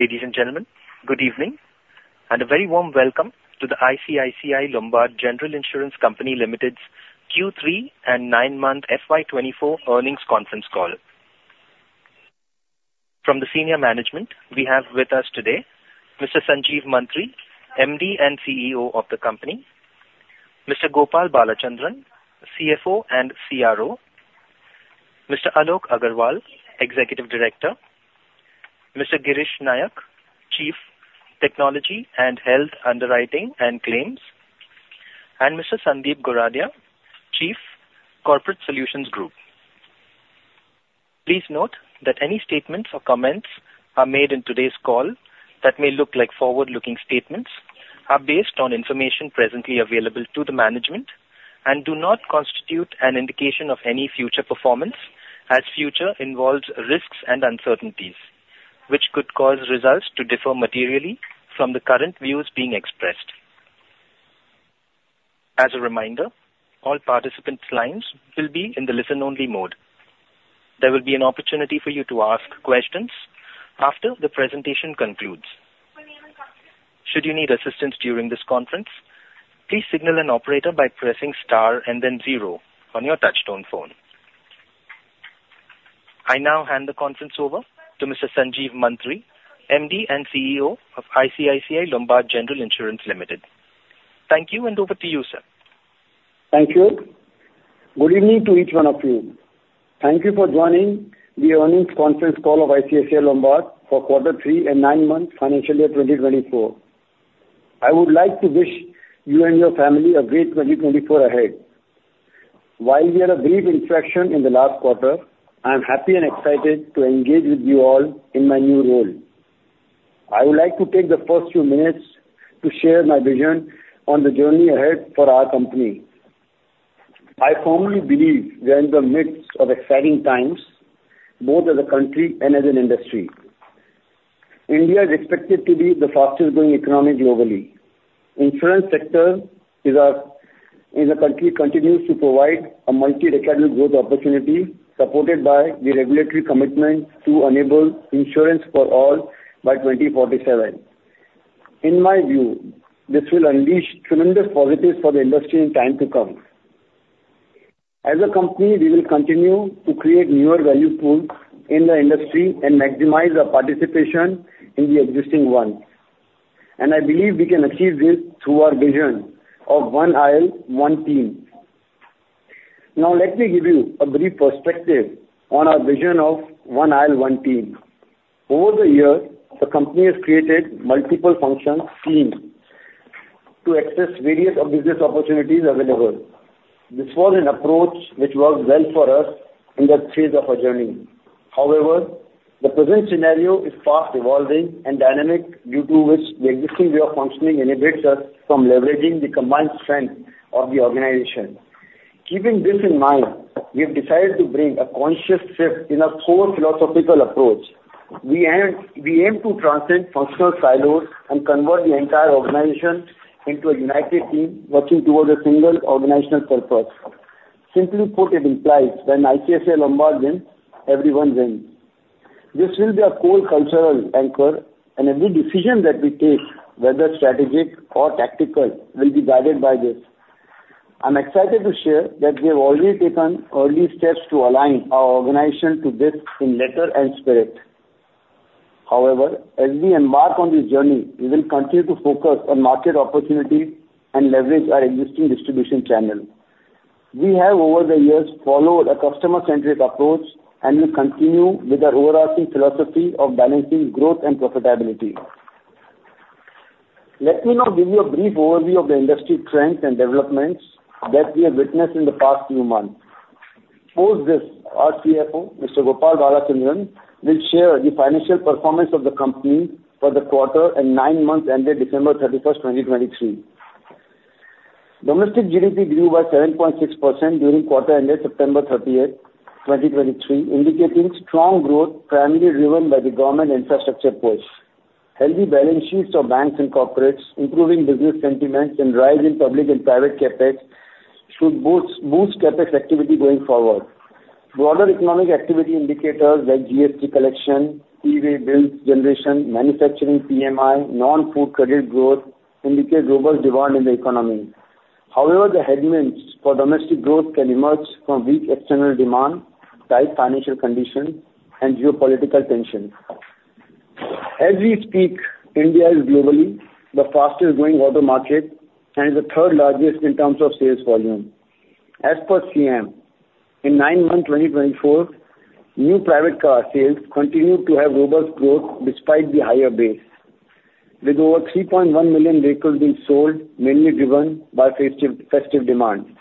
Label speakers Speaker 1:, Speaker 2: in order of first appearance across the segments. Speaker 1: Ladies and gentlemen, good evening, and a very warm welcome to the ICICI Lombard General Insurance Company Limited's Q3 and nine-month FY 2024 earnings conference call. From the senior management, we have with us today Mr. Sanjeev Mantri, MD and CEO of the company, Mr. Gopal Balachandran, CFO and CRO, Mr. Alok Agarwal, Executive Director, Mr. Girish Nayak, Chief Technology and Health Underwriting and Claims, and Mr. Sandeep Goradia, Chief Corporate Solutions Group. Please note that any statements or comments are made in today's call that may look like forward-looking statements are based on information presently available to the management and do not constitute an indication of any future performance, as future involves risks and uncertainties, which could cause results to differ materially from the current views being expressed. As a reminder, all participants' lines will be in the listen-only mode. There will be an opportunity for you to ask questions after the presentation concludes. Should you need assistance during this conference, please signal an operator by pressing Star and then zero on your touchtone phone. I now hand the conference over to Mr. Sanjeev Mantri, MD and CEO of ICICI Lombard General Insurance Limited. Thank you, and over to you, sir.
Speaker 2: Thank you. Good evening to each one of you. Thank you for joining the earnings conference call of ICICI Lombard for quarter three and nine-month financial year 2024. I would like to wish you and your family a great 2024 ahead. While we had a brief interaction in the last quarter, I am happy and excited to engage with you all in my new role. I would like to take the first few minutes to share my vision on the journey ahead for our company. I firmly believe we are in the midst of exciting times, both as a country and as an industry. India is expected to be the fastest growing economy globally. Insurance sector as a country continues to provide a multi-decade growth opportunity, supported by the regulatory commitment to enable insurance for all by 2047. In my view, this will unleash tremendous positives for the industry in time to come. As a company, we will continue to create newer value pools in the industry and maximize our participation in the existing ones, and I believe we can achieve this through our vision of One IL, One Team. Now, let me give you a brief perspective on our vision of One IL, One Team. Over the years, the company has created multiple function teams to access various business opportunities available. This was an approach which worked well for us in that phase of our journey. However, the present scenario is fast evolving and dynamic, due to which the existing way of functioning inhibits us from leveraging the combined strength of the organization. Keeping this in mind, we have decided to bring a conscious shift in our core philosophical approach. We aim, we aim to transcend functional silos and convert the entire organization into a united team working towards a single organizational purpose. Simply put, it implies when ICICI Lombard wins, everyone wins. This will be our core cultural anchor, and every decision that we take, whether strategic or tactical, will be guided by this. I'm excited to share that we have already taken early steps to align our organization to this in letter and spirit. However, as we embark on this journey, we will continue to focus on market opportunities and leverage our existing distribution channel. We have, over the years, followed a customer-centric approach and will continue with our overarching philosophy of balancing growth and profitability. Let me now give you a brief overview of the industry trends and developments that we have witnessed in the past few months. Post this, our CFO, Mr. Gopal Balachandran will share the financial performance of the company for the quarter and nine months ended December 31st, 2023. Domestic GDP grew by 7.6% during quarter ended September 31st, 2023, indicating strong growth primarily driven by the government infrastructure push. Healthy balance sheets of banks and corporates, improving business sentiments, and rise in public and private CapEx should boost CapEx activity going forward. Broader economic activity indicators like GST collection, e-way bill generation, manufacturing PMI, non-food credit growth indicate robust demand in the economy. However, the headwinds for domestic growth can emerge from weak external demand, tight financial conditions, and geopolitical tensions. As we speak, India is globally the fastest growing auto market and is the third largest in terms of sales volume. As per SIAM, in nine months, 2024, new private car sales continued to have robust growth despite the higher base, with over 3.1 million vehicles being sold, mainly driven by festive, festive demand.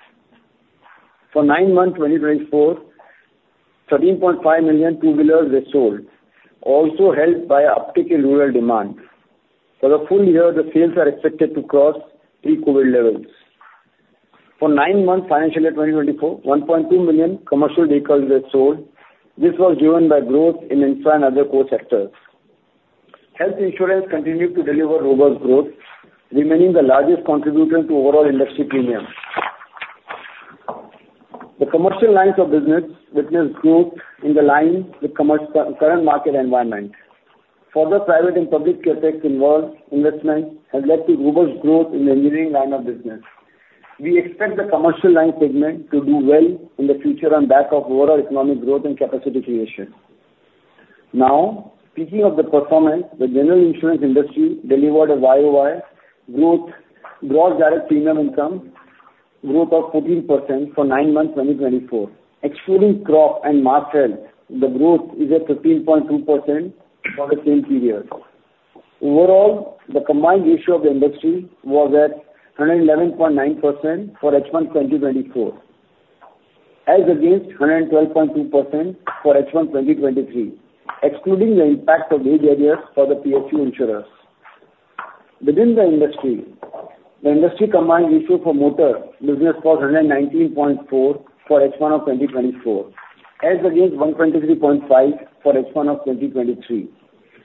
Speaker 2: For nine months, 2024, 13.5 million two-wheelers were sold, also helped by uptake in rural demand. For the full year, the sales are expected to cross pre-COVID levels. For nine months, financial year 2024, 1.2 million commercial vehicles were sold. This was driven by growth in infra and other core sectors. Health insurance continued to deliver robust growth, remaining the largest contributor to overall industry premium.... The commercial lines of business witnessed growth in the line with commercial, current market environment. Further private and public CapEx involve investment has led to robust growth in the engineering line of business. We expect the commercial line segment to do well in the future on back of overall economic growth and capacity creation. Now, speaking of the performance, the general insurance industry delivered a YoY growth, gross direct premium income growth of 14% for nine months, 2024. Excluding crop and motor, the growth is at 13.2% for the same period. Overall, the combined ratio of the industry was at 111.9% for H1 2024, as against 112.2% for H1 2023, excluding the impact of these areas for the PSU insurers. Within the industry, the industry combined ratio for motor business was 119.4 for H1 of 2024, as against 123.5 for H1 of 2023.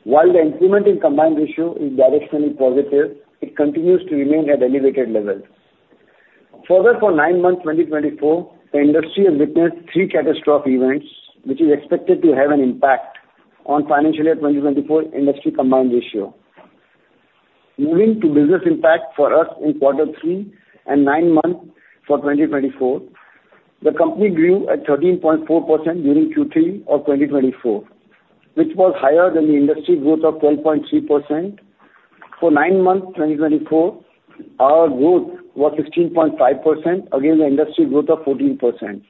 Speaker 2: While the improvement in Combined Ratio is directionally positive, it continues to remain at elevated levels. Further, for nine months, 2024, the industry has witnessed three catastrophic events, which is expected to have an impact on financial year 2024 industry Combined Ratio. Moving to business impact for us in quarter three and nine months for 2024, the company grew at 13.4% during Q3 of 2024, which was higher than the industry growth of 12.3%. For nine months, 2024, our growth was 16.5% against the industry growth of 14%.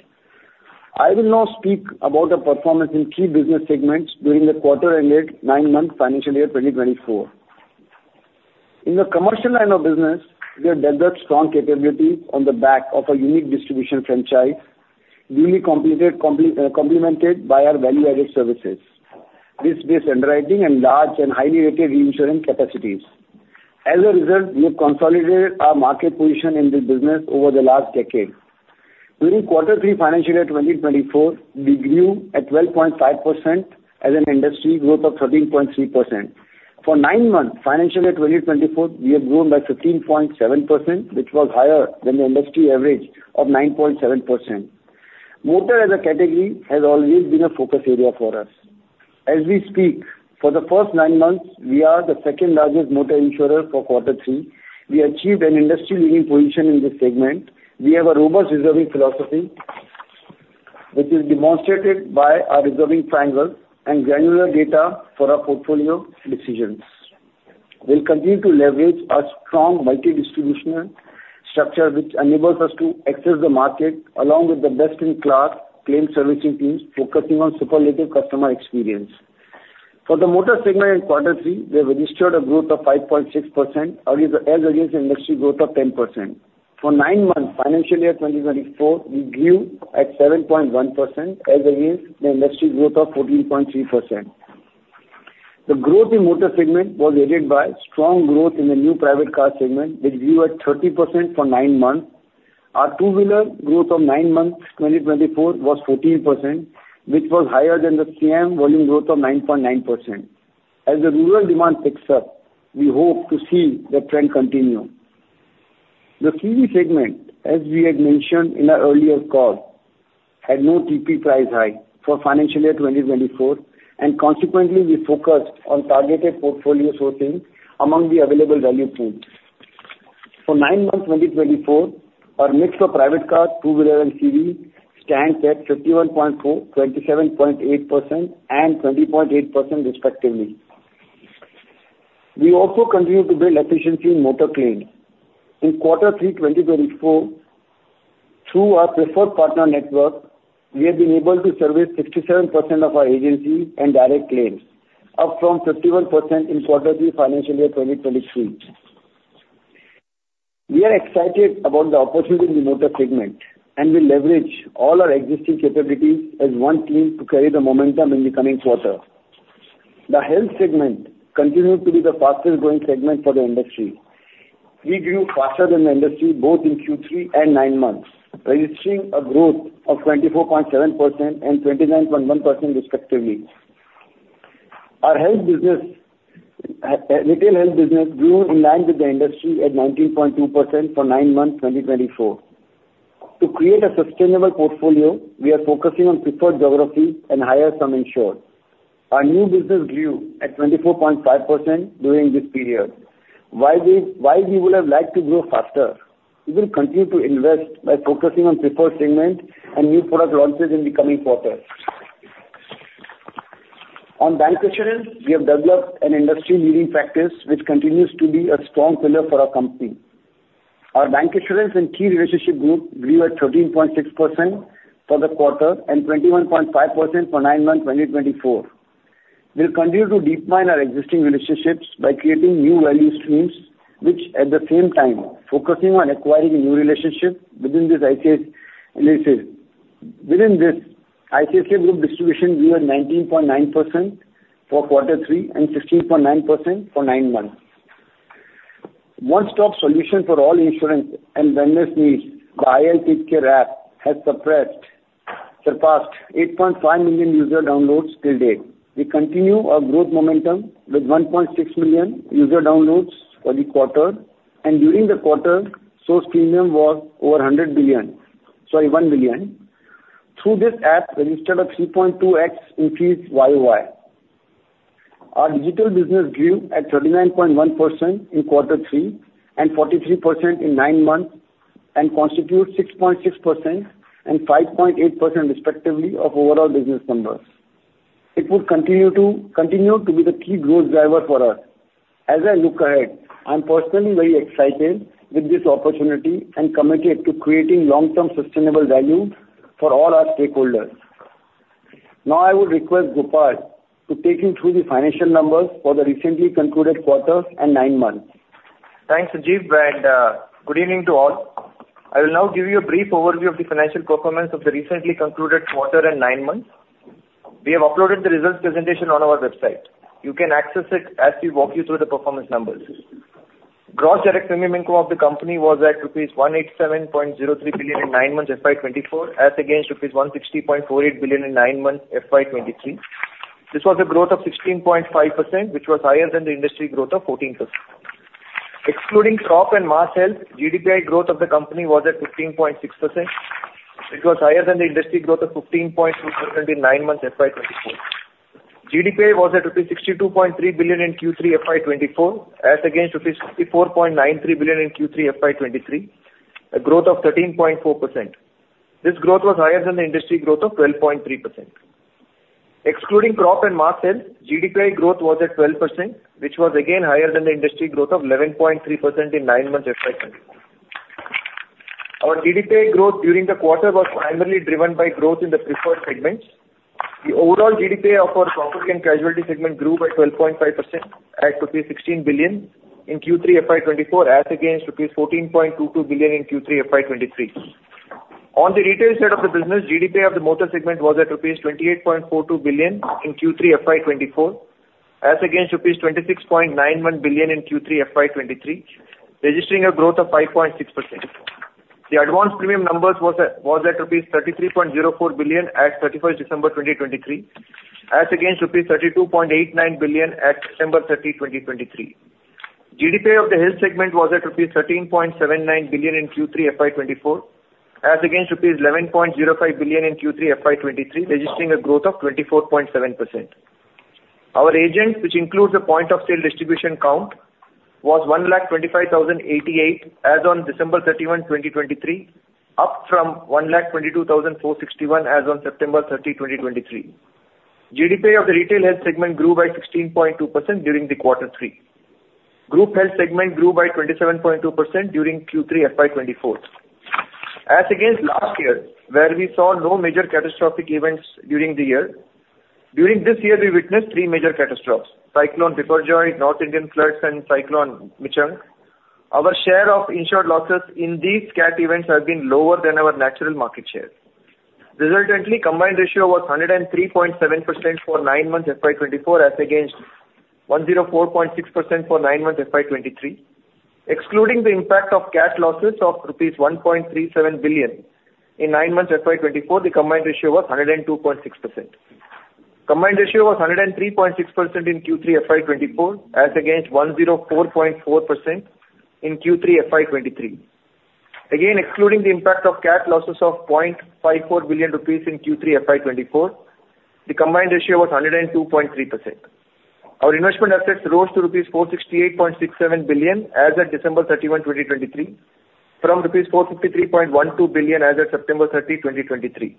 Speaker 2: I will now speak about the performance in three business segments during the quarter and the nine-month financial year, 2024. In the commercial line of business, we have developed strong capabilities on the back of a unique distribution franchise, really complemented by our value-added services, risk-based underwriting and large and highly rated reinsurance capacities. As a result, we have consolidated our market position in this business over the last decade. During quarter three financial year 2024, we grew at 12.5% as an industry growth of 13.3%. For nine months, financial year 2024, we have grown by 15.7%, which was higher than the industry average of 9.7%. Motor as a category has always been a focus area for us. As we speak, for the first nine months, we are the second-largest motor insurer for quarter three. We achieved an industry-leading position in this segment. We have a robust reserving philosophy that is demonstrated by our reserving triangle and granular data for our portfolio decisions. We'll continue to leverage our strong multi-distribution structure, which enables us to access the market, along with the best-in-class claim servicing teams, focusing on superlative customer experience. For the motor segment in quarter three, we have registered a growth of 5.6% against, as against the industry growth of 10%. For nine months, financial year 2024, we grew at 7.1% as against the industry growth of 14.3%. The growth in motor segment was aided by strong growth in the new private car segment, which grew at 30% for nine months. Our two-wheeler growth of nine months, 2024, was 14%, which was higher than the CM volume growth of 9.9%. As the rural demand picks up, we hope to see the trend continue. The CEV segment, as we had mentioned in our earlier call, had no TP price hike for financial year 2024, and consequently, we focused on targeted portfolio sourcing among the available value pools. For nine months, 2024, our mix for private car, two-wheeler, and CEV stands at 51.4, 27.8%, and 20.8% respectively. We also continue to build efficiency in motor claims. In quarter three, 2024, through our Preferred Partner Network, we have been able to service 67% of our agency and direct claims, up from 51% in quarter three, financial year 2023. We are excited about the opportunity in the motor segment, and we leverage all our existing capabilities as one team to carry the momentum in the coming quarter. The health segment continued to be the fastest growing segment for the industry. We grew faster than the industry, both in Q3 and nine months, registering a growth of 24.7% and 29.1% respectively. Our health business, retail health business grew in line with the industry at 19.2% for nine months, 2024. To create a sustainable portfolio, we are focusing on preferred geographies and higher sum insured. Our new business grew at 24.5% during this period. While we would have liked to grow faster, we will continue to invest by focusing on preferred segments and new product launches in the coming quarters. On Bancasurance, we have developed an industry-leading practice, which continues to be a strong pillar for our company. Our Bancassurance and key relationship group grew at 13.6% for the quarter and 21.5% for nine months, 2024. We'll continue to deepen our existing relationships by creating new value streams, which at the same time focusing on acquiring a new relationship within this Bancassurance. Within this, ICICI Group distribution grew at 19.9% for quarter three and 16.9% for nine months. One-stop solution for all insurance and wellness needs, the IL TakeCare app has surpassed 8.5 million user downloads to date. We continue our growth momentum with 1.6 million user downloads for the quarter, and during the quarter, sourced premium was over 100 billion, sorry, 1 billion. Through this app, we registered a 3.2x increase YoY. Our digital business grew at 39.1% in quarter three and 43% in nine months, and constitutes 6.6% and 5.8%, respectively, of overall business numbers. It will continue to be the key growth driver for us. As I look ahead, I'm personally very excited with this opportunity and committed to creating long-term sustainable value for all our stakeholders. Now, I will request Gopal to take you through the financial numbers for the recently concluded quarters and nine months.
Speaker 3: Thanks, Sanjeev, and good evening to all. I will now give you a brief overview of the financial performance of the recently concluded quarter and nine months. We have uploaded the results presentation on our website. You can access it as we walk you through the performance numbers. Gross direct premium income of the company was at rupees 187.03 billion in nine months FY 2024, as against rupees 160.48 billion in nine months FY 2023. This was a growth of 16.5%, which was higher than the industry growth of 14%. Excluding crop and Mass Health, GDPI growth of the company was at 15.6%. It was higher than the industry growth of 15.2% in nine months FY 2024. GDPI was at rupees 62.3 billion in Q3 FY 2024, as against rupees 64.93 billion in Q3 FY 2023, a growth of 13.4%. This growth was higher than the industry growth of 12.3%. Excluding crop and Mass Health, GDPI growth was at 12%, which was again higher than the industry growth of 11.3% in nine months FY 2024. Our GDPI growth during the quarter was primarily driven by growth in the preferred segments. The overall GDPI of our property and casualty segment grew by 12.5% at INR 16 billion in Q3 FY 2024, as against INR 14.22 billion in Q3 FY 2023. On the retail side of the business, GDPI of the motor segment was at INR 28.42 billion in Q3 FY2024, as against INR 26.91 billion in Q3 FY2023, registering a growth of 5.6%. The advanced premium numbers was at rupees 33.04 billion at 31st December 2023, as against rupees 32.89 billion at December 30th, 2023. GDPI of the health segment was at rupees 13.79 billion in Q3 FY2024, as against rupees 11.05 billion in Q3 FY2023, registering a growth of 24.7%. Our agents, which includes the point of sale distribution count, was 125,088 as on December 31st, 2023, up from 122,461 as on September 30th, 2023. GDPI of the retail health segment grew by 16.2% during the quarter three. Group health segment grew by 27.2% during Q3 FY 2024. As against last year, where we saw no major catastrophic events during the year, during this year, we witnessed three major catastrophes: Cyclone Biparjoy, North Indian floods, and Cyclone Michaung. Our share of insured losses in these cat events has been lower than our natural market share. Resultantly, combined ratio was 103.7% for nine months FY 2024, as against 104.6% for nine months FY 2023. Excluding the impact of Cat losses of rupees 1.37 billion in nine months FY 2024, the combined ratio was 102.6%. Combined ratio was 103.6% in Q3 FY 2024, as against 104.4% in Q3 FY 2023. Again, excluding the impact of Cat losses of 0.54 billion rupees in Q3 FY 2024, the combined ratio was 102.3%. Our investment assets rose to rupees 468.67 billion as at December 31, 2023, from rupees 453.12 billion as at September 30, 2023.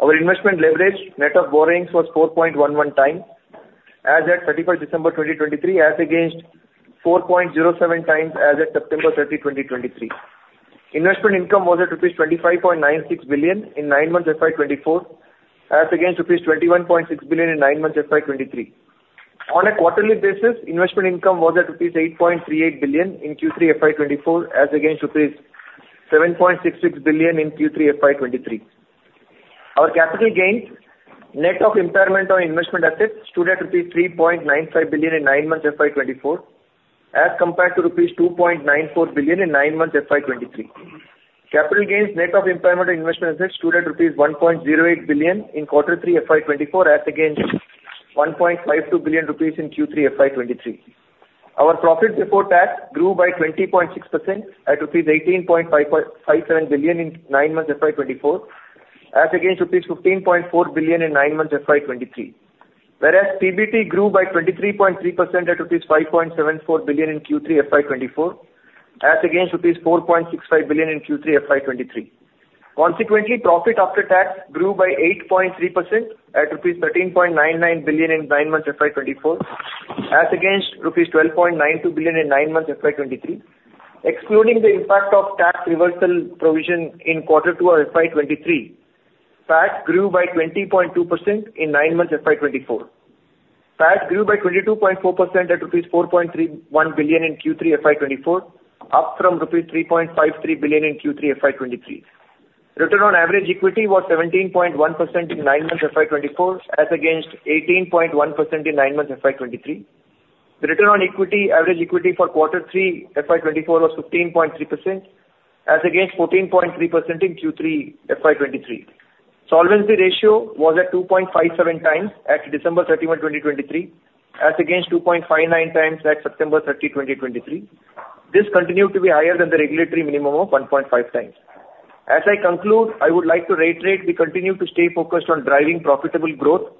Speaker 3: Our investment leverage net of borrowings was 4.11x, as at December 31, 2023, as against 4.07 times as at September 30, 2023. Investment income was at rupees 25.96 billion in nine months FY 2024, as against rupees 21.6 billion in nine months FY 2023. On a quarterly basis, investment income was at rupees 8.38 billion in Q3 FY 2024, as against rupees 7.66 billion in Q3 FY 2023. Our capital gains, net of impairment on investment assets, stood at rupees 3.95 billion in nine months FY 2024, as compared to rupees 2.94 billion in nine months FY 2023. Capital gains net of impairment on investment assets stood at rupees 1.08 billion in quarter three FY 2024, as against 1.52 billion rupees in Q3 FY 2023. Our profits before tax grew by 20.6% at rupees 18.557 billion in nine months FY 2024, as against rupees 15.4 billion in nine months FY 2023. Whereas PBT grew by 23.3% at rupees 5.74 billion in Q3 FY 2024, as against rupees 4.65 billion in Q3 FY 2023. Consequently, profit after tax grew by 8.3% at rupees 13.99 billion in nine months FY 2024, as against rupees 12.92 billion in nine months FY 2023. Excluding the impact of tax reversal provision in quarter two of FY 2023, PAT grew by 20.2% in nine months FY 2024. PAT grew by 22.4% at rupees 4.31 billion in Q3 FY 2024, up from rupees 3.53 billion in Q3 FY 2023. Return on average equity was 17.1% in nine months FY 2024, as against 18.1% in nine months FY 2023.
Speaker 2: The return on average equity for Q3 FY24 was 15.3%, as against 14.3% in Q3 FY23. Solvency ratio was at 2.57 times at December 31, 2023, as against 2.59 times at September 30, 2023. This continued to be higher than the regulatory minimum of 1.5x. As I conclude, I would like to reiterate, we continue to stay focused on driving profitable growth,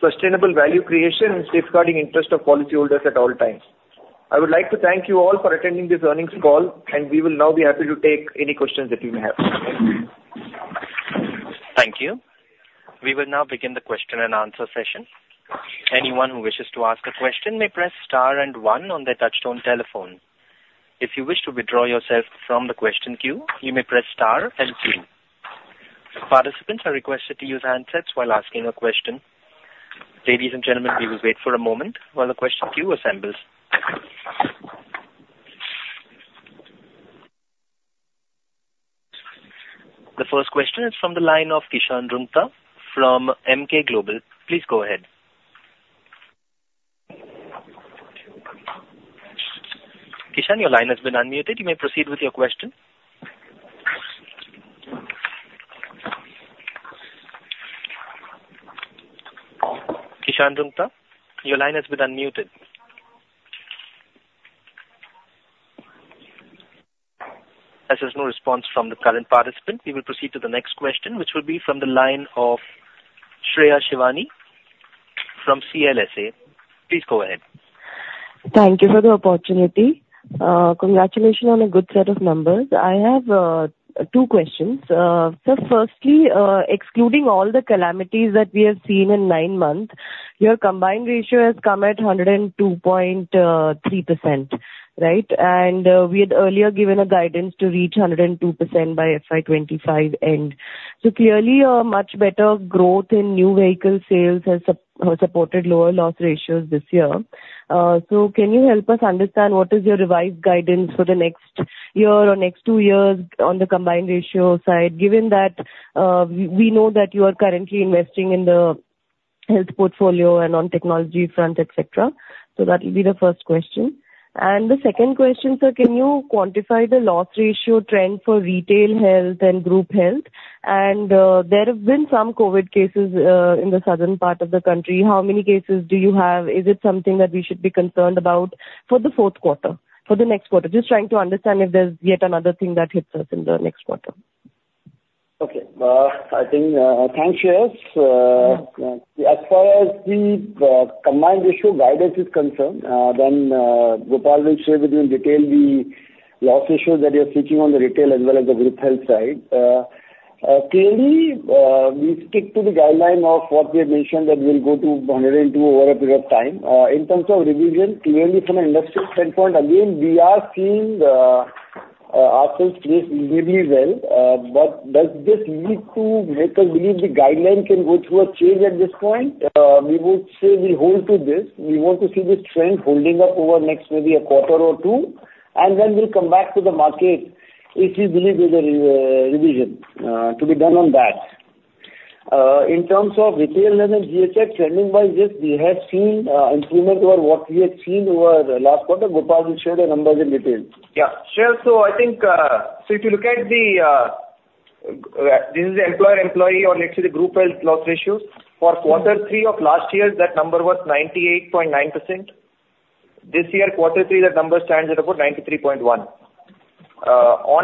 Speaker 2: sustainable value creation, and safeguarding interest of policyholders at all times. I would like to thank you all for attending this earnings call, and we will now be happy to take any questions that you may have. Thank you.
Speaker 1: Thank you. We will now begin the question and answer session. Anyone who wishes to ask a question may press star and one on their touchtone telephone. If you wish to withdraw yourself from the question queue, you may press star and two. Participants are requested to use handsets while asking a question. Ladies and gentlemen, we will wait for a moment while the question queue assembles. The first question is from the line of Kishan Rungta from Emkay Global. Please go ahead. Kishan, your line has been unmuted. You may proceed with your question. Kishan Rungta, your line has been unmuted. As there's no response from the current participant, we will proceed to the next question, which will be from the line of Shreya Shivani from CLSA. Please go ahead.
Speaker 4: Thank you for the opportunity. Congratulations on a good set of numbers. I have two questions. So firstly, excluding all the calamities that we have seen in nine months, your combined ratio has come at 102.3%, right? And, we had earlier given a guidance to reach 102% by FY 2025 end. So clearly, a much better growth in new vehicle sales has supported lower loss ratios this year. So can you help us understand, what is your revised guidance for the next year or next two years on the combined ratio side, given that, we know that you are currently investing in the health portfolio and on technology front, et cetera? So that will be the first question. The second question, sir, can you quantify the loss ratio trend for retail health and group health? And, there have been some COVID cases in the southern part of the country. How many cases do you have? Is it something that we should be concerned about for the fourth quarter, for the next quarter? Just trying to understand if there's yet another thing that hits us in the next quarter.
Speaker 2: Okay. I think... Thanks, Shreya. As far as the combined ratio guidance is concerned, then Gopal will share with you in detail the loss ratio that you're seeing on the retail as well as the group health side. Clearly, we stick to the guideline of what we have mentioned, that we'll go to 102 over a period of time. In terms of revision, clearly from an industry standpoint, again, we are seeing ourselves place really well. But does this lead to make us believe the guideline can go through a change at this point? We would say we hold to this. We want to see this trend holding up over the next maybe a quarter or two, and then we'll come back to the market if we believe there's a revision to be done on that. In terms of retail and GHI, trending by this, we have seen improvement over what we had seen over the last quarter. Gopal will share the numbers in detail.
Speaker 3: Yeah. Sure. So I think, so if you look at the, this is the employer-employee or let's say the group health loss ratio. For quarter three of last year, that number was 98.9%. This year, quarter three, that number stands at about 93.1%. On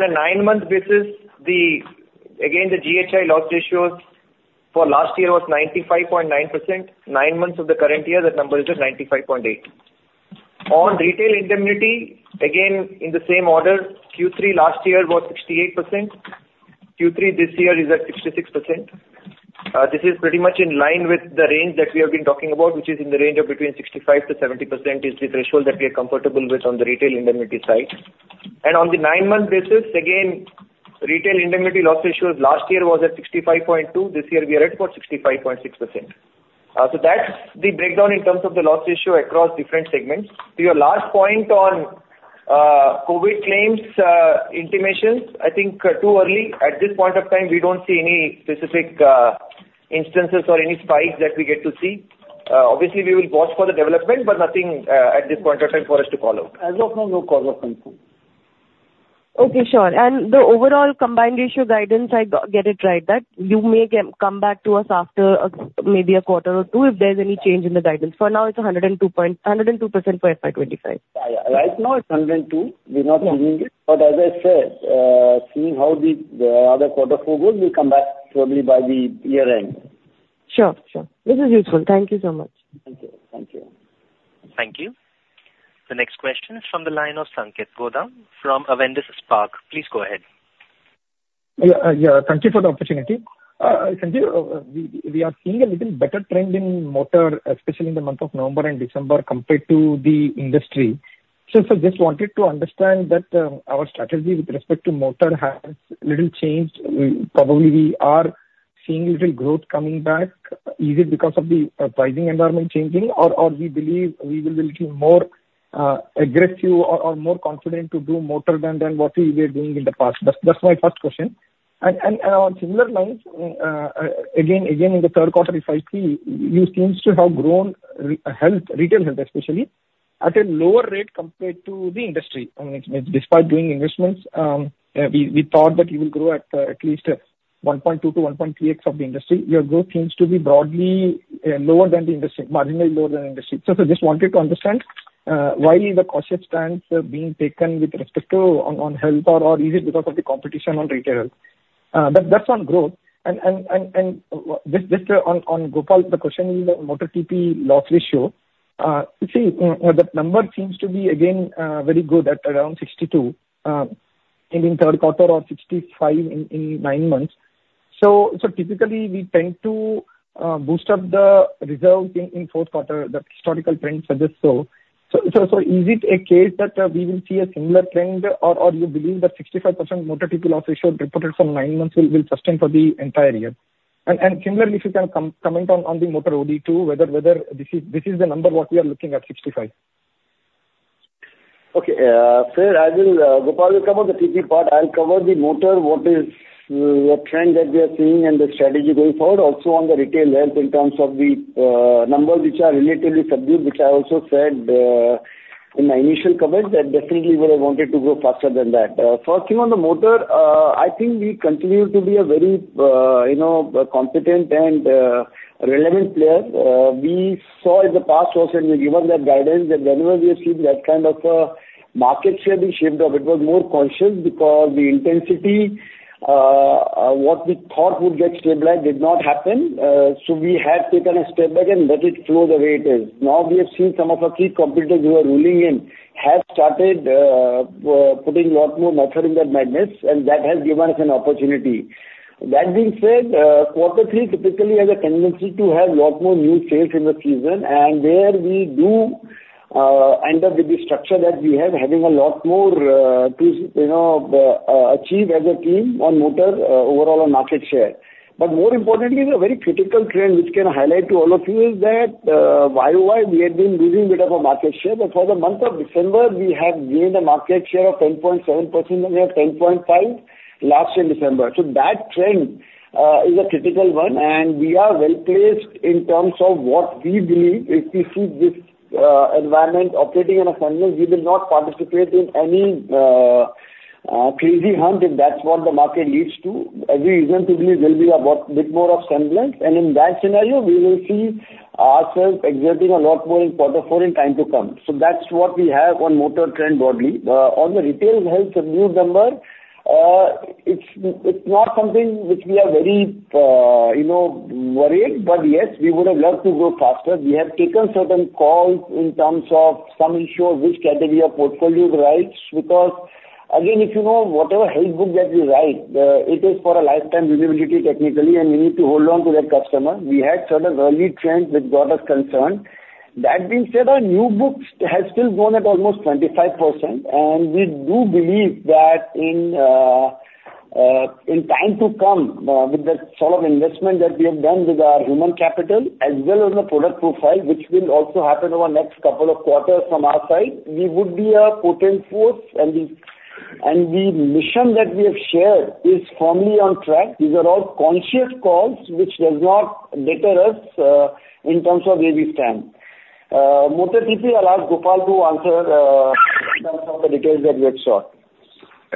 Speaker 3: a nine-month basis, the, again, the GHI loss ratios for last year was 95.9%. Nine months of the current year, that number is at 95.8%. On retail indemnity, again, in the same order, Q3 last year was 68%. Q3 this year is at 66%. This is pretty much in line with the range that we have been talking about, which is in the range of between 65%-70% is the threshold that we are comfortable with on the retail indemnity side. On the nine-month basis, again, Retail Indemnity loss ratio last year was at 65.2. This year we are at about 65.6%. So that's the breakdown in terms of the loss ratio across different segments. To your last point on COVID claims, intimations, I think too early. At this point of time, we don't see any specific instances or any spikes that we get to see. Obviously, we will watch for the development, but nothing at this point in time for us to call out.
Speaker 2: As of now, no cause for concern.
Speaker 4: Okay, sure. And the overall Combined Ratio guidance, I got it right, that you may come back to us after maybe a quarter or two, if there's any change in the guidance. For now, it's 102% for FY 2025.
Speaker 2: Yeah, right now it's 102.
Speaker 4: Yeah.
Speaker 2: We're not changing it. As I said, seeing how the other quarter four goes, we come back probably by the year end.
Speaker 4: Sure. Sure. This is useful. Thank you so much.
Speaker 2: Thank you. Thank you.
Speaker 1: Thank you. The next question is from the line of Sanketh Godha from Avendus Spark. Please go ahead.
Speaker 5: Yeah, yeah, thank you for the opportunity. Sanketh, we are seeing a little better trend in motor, especially in the month of November and December, compared to the industry. So, just wanted to understand that, our strategy with respect to motor has little changed. Probably we are seeing little growth coming back, is it because of the pricing environment changing? Or we believe we will be more aggressive or more confident to do motor than what we were doing in the past? That's my first question.... On similar lines, in the third quarter, if I see, you seems to have grown retail health, especially, at a lower rate compared to the industry. I mean, despite doing investments, we thought that you will grow at least 1.2x-1.3x of the industry. Your growth seems to be broadly lower than the industry, marginally lower than industry. So I just wanted to understand why the cautious stance are being taken with respect to health, or is it because of the competition on retail? That's on growth. And just on Gopal, the question is Motor TP loss ratio.
Speaker 3: You see, that number seems to be again, very good at around 62, in the third quarter or 65 in nine months. So typically we tend to boost up the reserves in fourth quarter, the historical trends suggest so. So is it a case that we will see a similar trend, or you believe that 65% motor TP loss ratio reported for nine months will sustain for the entire year? And similarly, if you can comment on the motor OD too whether this is the number what we are looking at, 65.
Speaker 2: Okay. Fair, I will, Gopal will cover the TP part. I'll cover the motor, what trend that we are seeing and the strategy going forward, also on the retail health in terms of the numbers which are relatively subdued, which I also said, in my initial comment, that definitely would have wanted to grow faster than that. First thing on the motor, I think we continue to be a very, you know, competent and relevant player. We saw in the past also, and we've given that guidance, that whenever we have seen that kind of a market share being shaved off, it was more conscious because the intensity, what we thought would get stabilized did not happen. So we had taken a step back and let it flow the way it is. Now, we have seen some of our key competitors who are ruling in, have started putting a lot more motor in their magnets, and that has given us an opportunity. That being said, quarter three typically has a tendency to have a lot more new sales in the season, and there we do end up with the structure that we have, having a lot more to, you know, achieve as a team on motor overall on market share. But more importantly, the very critical trend which can highlight to all of you is that YoY, we had been losing a bit of a market share. But for the month of December, we have gained a market share of 10.7%, and we have 10.5 last year in December. So that trend is a critical one, and we are well placed in terms of what we believe. If we see this environment operating on a fundamental, we will not participate in any crazy hunt, if that's what the market leads to. Every reason to believe there will be a little bit more of semblance, and in that scenario, we will see ourselves exerting a lot more in quarter four in time to come. So that's what we have on motor trend broadly. On the retail health subdued number, it's not something which we are very you know worried, but yes, we would have loved to grow faster. We have taken certain calls in terms of some issue of which category of portfolio rights, because, again, if you know whatever health book that we write, it is for a lifetime visibility technically, and we need to hold on to that customer. We had sort of early trends which got us concerned. That being said, our new books has still grown at almost 25%, and we do believe that in time to come, with the sort of investment that we have done with our human capital as well as the product profile, which will also happen over the next couple of quarters from our side, we would be a potent force. And the mission that we have shared is firmly on track. These are all conscious calls, which does not deter us in terms of where we stand. Motor TP, I'll ask Gopal to answer some of the details that we have sought.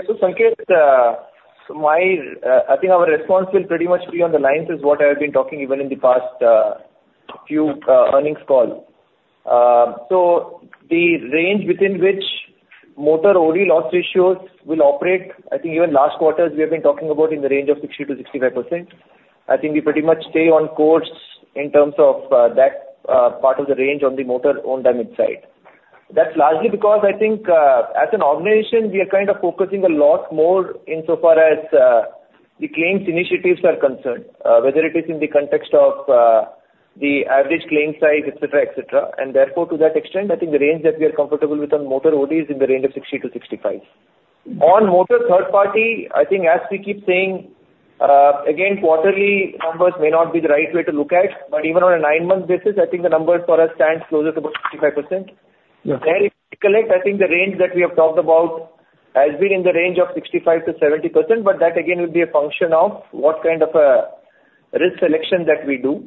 Speaker 3: So, Sanketh, so my, I think our response will pretty much be on the lines is what I have been talking even in the past few earnings call. So the range within which Motor OD loss ratios will operate, I think even last quarters, we have been talking about in the range of 60%-65%. I think we pretty much stay on course in terms of that part of the range on the motor own damage side. That's largely because I think, as an organization, we are kind of focusing a lot more in so far as the claims initiatives are concerned, whether it is in the context of the average claim size, et cetera, et cetera. Therefore, to that extent, I think the range that we are comfortable with on Motor OD is in the range of 60%-65%. On Motor third party, I think as we keep saying, again, quarterly numbers may not be the right way to look at, but even on a nine-month basis, I think the numbers for us stands closer to about 55%.
Speaker 2: Yeah.
Speaker 3: There, if I recollect, I think the range that we have talked about has been in the range of 65%-70%, but that again, would be a function of what kind of a risk selection that we do.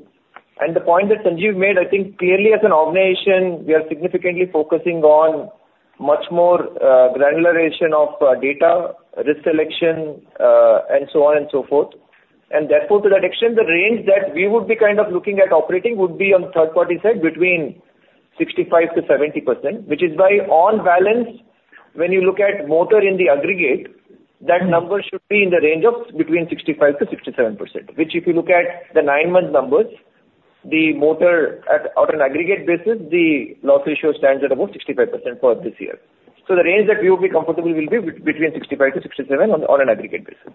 Speaker 3: The point that Sanjeev made, I think, clearly, as an organization, we are significantly focusing on much more granulation of data, risk selection, and so on and so forth. Therefore, to that extent, the range that we would be kind of looking at operating would be on the third party side between 65%-70%, which is by on balance, when you look at motor in the aggregate-
Speaker 2: Mm.
Speaker 3: That number should be in the range of between 65%-67%. Which if you look at the nine-month numbers, the motor, on an aggregate basis, the loss ratio stands at about 65% for this year. So the range that we will be comfortable will be between 65%-67% on an aggregate basis.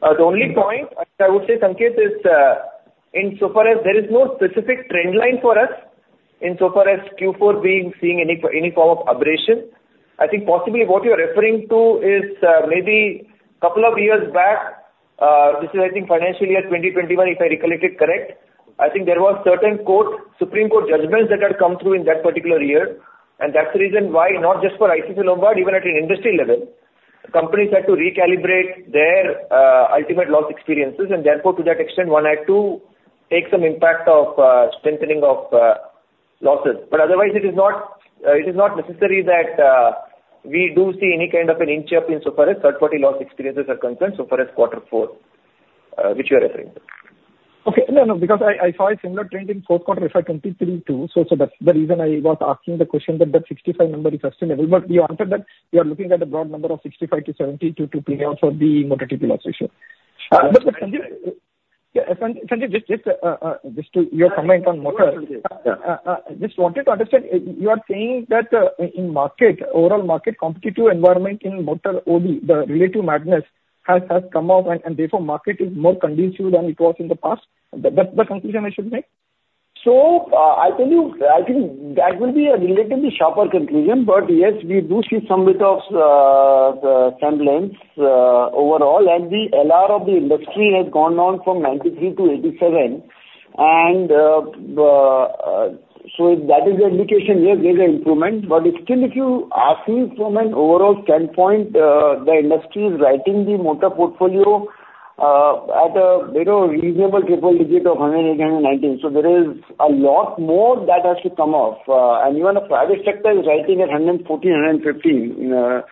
Speaker 3: The only point I would say, Sanketh, is insofar as there is no specific trend line for us insofar as Q4 being seeing any form of aberration. I think possibly what you're referring to is maybe couple of years back, this is I think financial year 2021, if I recollect it correct. I think there were certain Supreme Court judgments that had come through in that particular year.... and that's the reason why, not just for ICICI Lombard, even at an industry level, companies had to recalibrate their ultimate loss experiences, and therefore, to that extent, one had to take some impact of strengthening of losses. But otherwise, it is not necessary that we do see any kind of an inch up in so far as third party loss experiences are concerned, so far as Quarter Four, which you are referring to.
Speaker 5: Okay. No, no, because I saw a similar trend in fourth quarter FY2023 too, so that's the reason I was asking the question that 65 number is sustainable. But you answered that you are looking at a broad number of 65%-70% to print out for the Motor TP loss ratio. But Sanjeev, yeah, Sanjeev, just to your comment on motor. Just wanted to understand, you are saying that in market, overall market competitive environment in Motor OD, the relative madness has come off, and therefore, market is more conducive than it was in the past. That's the conclusion I should make?
Speaker 2: So, I tell you, I think that will be a relatively sharper conclusion. But yes, we do see some bit of semblance overall, and the LR of the industry has gone down from 93 to 87. And so if that is the indication, yes, there's an improvement. But still, if you ask me from an overall standpoint, the industry is writing the motor portfolio at a, you know, reasonable triple digit of 100, again, 90. So there is a lot more that has to come off, and even the private sector is writing at 114, 115.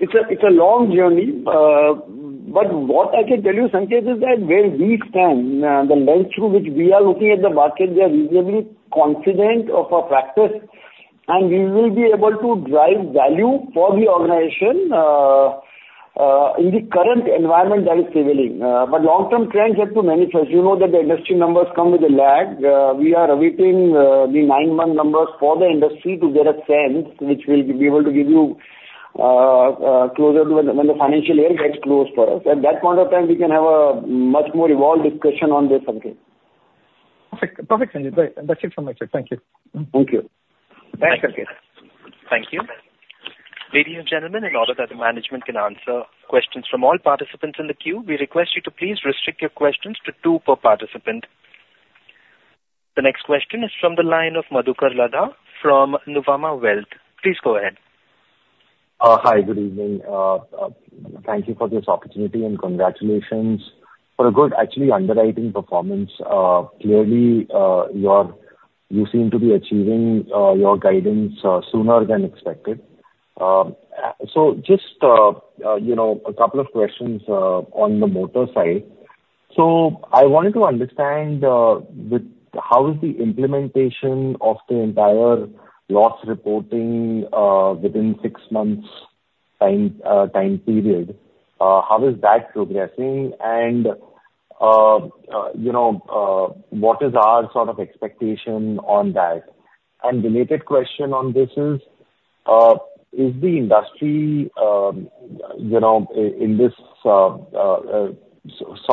Speaker 2: It's a long journey, but what I can tell you, Sanjay, is that where we stand, the lens through which we are looking at the market, we are reasonably confident of our practice, and we will be able to drive value for the organization, in the current environment that is prevailing. But long-term trends have to manifest. You know that the industry numbers come with a lag. We are awaiting the nine-month numbers for the industry to get a sense, which we'll be able to give you, closer to when the financial year gets closed for us. At that point of time, we can have a much more evolved discussion on this, Sanjay.
Speaker 5: Perfect. Perfect, Sanjeev. Great. That's it from my side. Thank you.
Speaker 2: Thank you.
Speaker 5: Thanks, Sanjeev.
Speaker 1: Thank you. Ladies and gentlemen, in order that the management can answer questions from all participants in the queue, we request you to please restrict your questions to two per participant. The next question is from the line of Madhukar Ladha from Nuvama Wealth. Please go ahead.
Speaker 6: Hi, good evening. Thank you for this opportunity, and congratulations for a good actually underwriting performance. Clearly, you seem to be achieving your guidance sooner than expected. So just, you know, a couple of questions on the motor side. So I wanted to understand with how is the implementation of the entire loss reporting within six months' time period how is that progressing? And, you know, what is our sort of expectation on that? And related question on this is the industry, you know, in this sort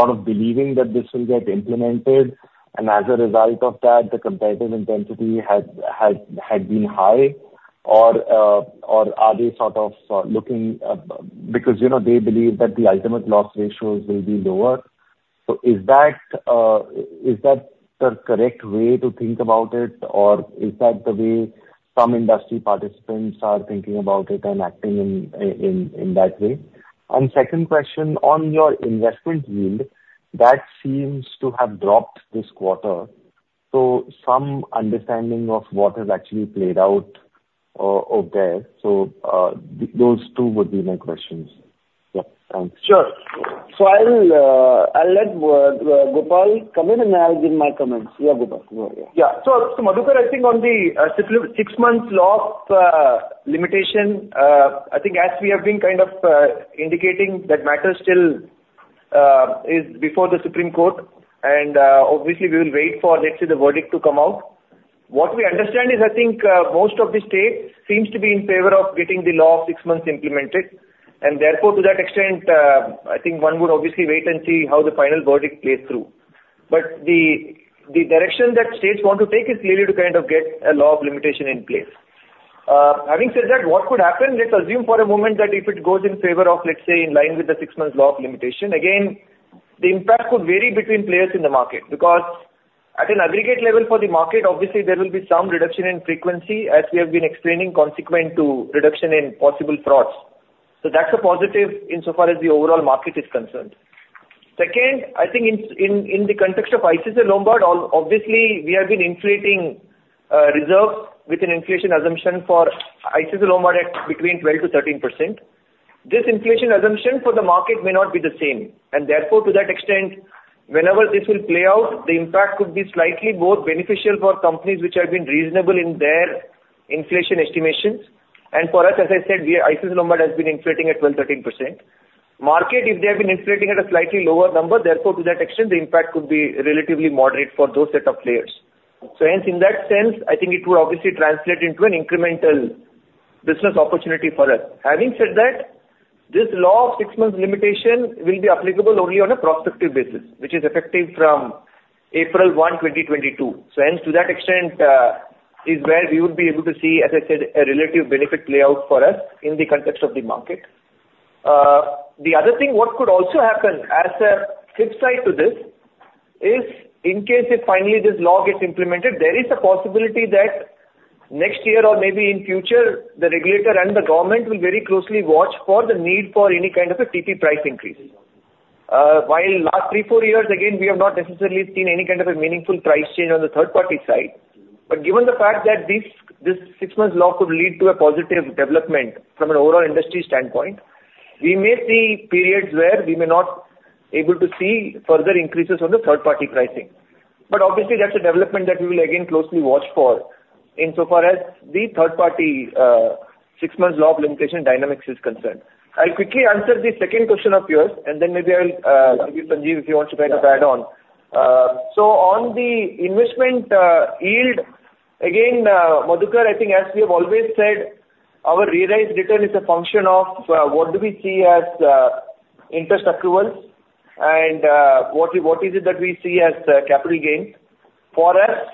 Speaker 6: of believing that this will get implemented, and as a result of that, the competitive intensity has had been high? Or, or are they sort of looking, because, you know, they believe that the ultimate loss ratios will be lower. So is that, is that the correct way to think about it, or is that the way some industry participants are thinking about it and acting in, in that way? And second question on your investment yield, that seems to have dropped this quarter, so some understanding of what has actually played out, out there. So, those two would be my questions. Yeah, thanks.
Speaker 2: Sure. So I'll let Gopal come in, and I'll give my comments. Yeah, Gopal, go ahead.
Speaker 3: Yeah. So, Madhukar, I think on the six months' law of limitation, I think as we have been kind of indicating, that matter still is before the Supreme Court, and obviously we will wait for, let's say, the verdict to come out. What we understand is, I think, most of the states seems to be in favor of getting the law of six months implemented, and therefore, to that extent, I think one would obviously wait and see how the final verdict plays through. But the direction that states want to take is clearly to kind of get a law of limitation in place. Having said that, what could happen? Let's assume for a moment that if it goes in favor of, let's say, in line with the six-month law of limitation, again, the impact could vary between players in the market, because at an aggregate level for the market, obviously there will be some reduction in frequency, as we have been explaining, consequent to reduction in possible frauds. So that's a positive in so far as the overall market is concerned. Second, I think in the context of ICICI Lombard, obviously, we have been inflating reserves with an inflation assumption for ICICI Lombard at between 12%-13%. This inflation assumption for the market may not be the same, and therefore, to that extent, whenever this will play out, the impact could be slightly more beneficial for companies which have been reasonable in their inflation estimations. For us, as I said, ICICI Lombard has been inflating at 12%-13%. Market, if they have been inflating at a slightly lower number, therefore, to that extent, the impact could be relatively moderate for those set of players. So hence, in that sense, I think it will obviously translate into an incremental business opportunity for us. Having said that, this law of six months limitation will be applicable only on a prospective basis, which is effective from April 1, 2022. So hence, to that extent, is where we would be able to see, as I said, a relative benefit play out for us in the context of the market. The other thing, what could also happen as a flip side to this, is in case if finally this law gets implemented, there is a possibility that next year or maybe in future, the regulator and the government will very closely watch for the need for any kind of a TP price increase. While last three to four years, again, we have not necessarily seen any kind of a meaningful price change on the third party side, but given the fact that this six months law could lead to a positive development from an overall industry standpoint, we may see periods where we may not able to see further increases on the third party pricing. But obviously, that's a development that we will again closely watch for, insofar as the third party, six months law of limitation dynamics is concerned. I'll quickly answer the second question of yours, and then maybe I will give Sanjeev, if you want to kind of add on. So on the investment yield, again, Madhukar, I think as we have always said, our realized return is a function of what do we see as interest accruals and what we what is it that we see as capital gains. For us,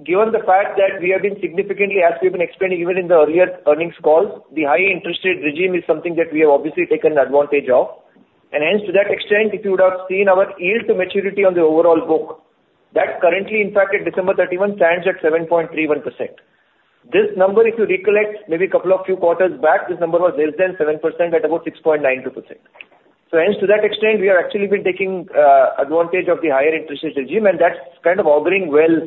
Speaker 3: given the fact that we have been significantly, as we've been explaining even in the earlier earnings calls, the high interest rate regime is something that we have obviously taken advantage of. Hence, to that extent, if you would have seen our yield to maturity on the overall book, that currently, in fact, at December 31, stands at 7.31%. This number, if you recollect, maybe a couple of few quarters back, this number was less than 7% at about 6.92%. Hence, to that extent, we have actually been taking advantage of the higher interest rate regime, and that's kind of auguring well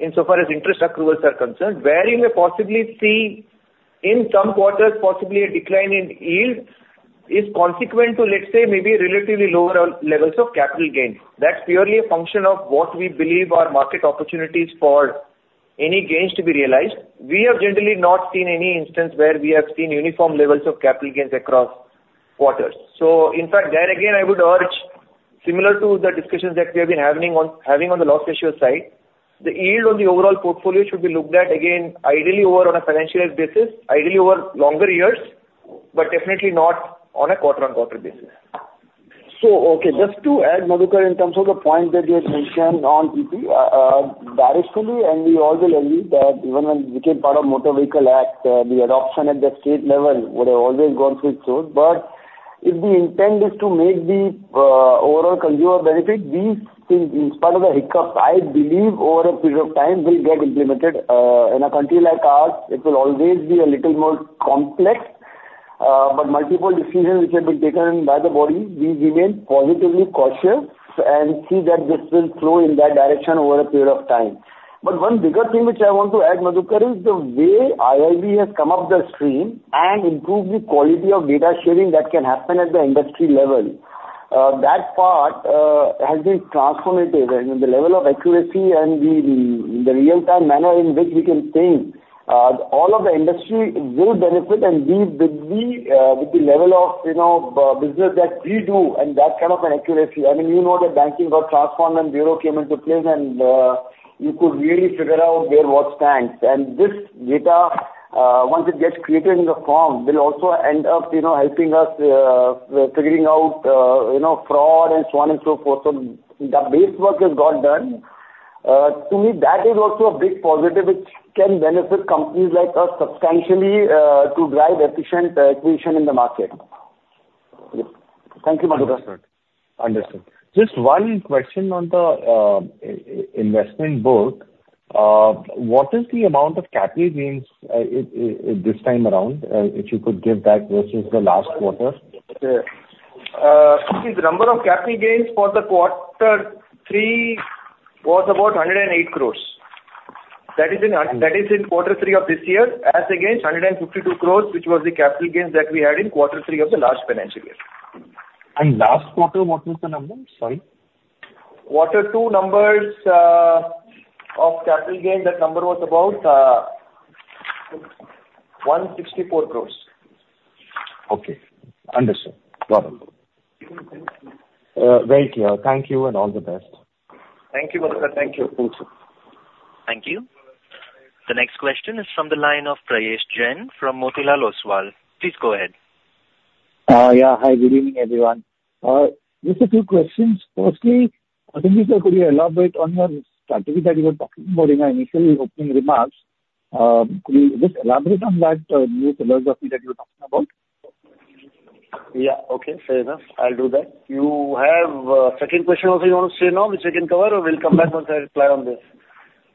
Speaker 3: insofar as interest accruals are concerned. Where you may possibly see in some quarters, possibly a decline in yield, is consequent to, let's say, maybe relatively lower levels of capital gains. That's purely a function of what we believe are market opportunities for any gains to be realized. We have generally not seen any instance where we have seen uniform levels of capital gains across quarters. In fact, there again, I would urge, similar to the discussions that we have been having on the loss ratio side, the yield on the overall portfolio should be looked at again, ideally over a financial year basis, ideally over longer years, but definitely not on a quarter-on-quarter basis.
Speaker 2: So, okay, just to add, Madhukar, in terms of the point that you had mentioned on TP, that is truly, and we also believe that even when we became part of Motor Vehicles Act, the adoption at the state level would have always gone through it through. But if the intent is to make the overall consumer benefit, these things, in spite of the hiccup, I believe over a period of time will get implemented. In a country like ours, it will always be a little more complex, but multiple decisions which have been taken by the body, we remain positively cautious and see that this will flow in that direction over a period of time. But one bigger thing which I want to add, Madhukar, is the way IIB has come up the stream and improved the quality of data sharing that can happen at the industry level. That part has been transformative and the level of accuracy and the real-time manner in which we can think, all of the industry will benefit, and we, with the level of, you know, business that we do and that kind of an accuracy. I mean, you know, the banking was transformed when Bureau came into play, and you could really figure out where, what stands. And this data, once it gets created in the form, will also end up, you know, helping us with figuring out, you know, fraud and so on and so forth. So the base work has got done. To me, that is also a big positive which can benefit companies like us substantially, to drive efficient acquisition in the market. Thank you, Madhukar.
Speaker 6: Understood. Just one question on the investment book. What is the amount of capital gains this time around? If you could give that versus the last quarter.
Speaker 3: The number of capital gains for the quarter three was about 108 crore. That is in, that is in quarter three of this year, as against 152 crore, which was the capital gains that we had in quarter three of the last financial year.
Speaker 6: Last quarter, what was the number? Sorry.
Speaker 3: Quarter two numbers of capital gains, that number was about INR 164 crore.
Speaker 6: Okay, understood. Got it. Very clear. Thank you, and all the best.
Speaker 2: Thank you, Madhukar. Thank you.
Speaker 1: Thank you. The next question is from the line of Prayesh Jain from Motilal Oswal. Please go ahead.
Speaker 7: Yeah. Hi, good evening, everyone. Just a few questions. Firstly, Sanjeev, could you elaborate on your strategy that you were talking about in our initial opening remarks? Could you just elaborate on that new philosophy that you were talking about?
Speaker 2: Yeah, okay, fair enough. I'll do that. You have a second question also you want to say now, which I can cover, or we'll come back once I reply on this?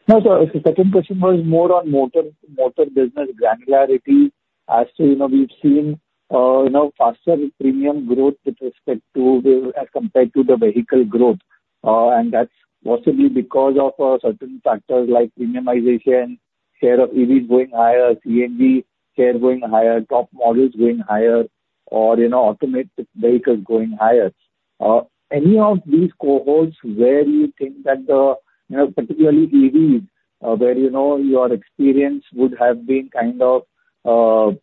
Speaker 7: No, so the second question was more on motor, motor business granularity. As to, you know, we've seen, you know, faster premium growth with respect to the as compared to the vehicle growth. And that's possibly because of certain factors like premiumization, share of EVs going higher, CNG share going higher, top models going higher, or, you know, automated vehicles going higher. Any of these cohorts where you think that the, you know, particularly EVs, where, you know, your experience would have been kind of, you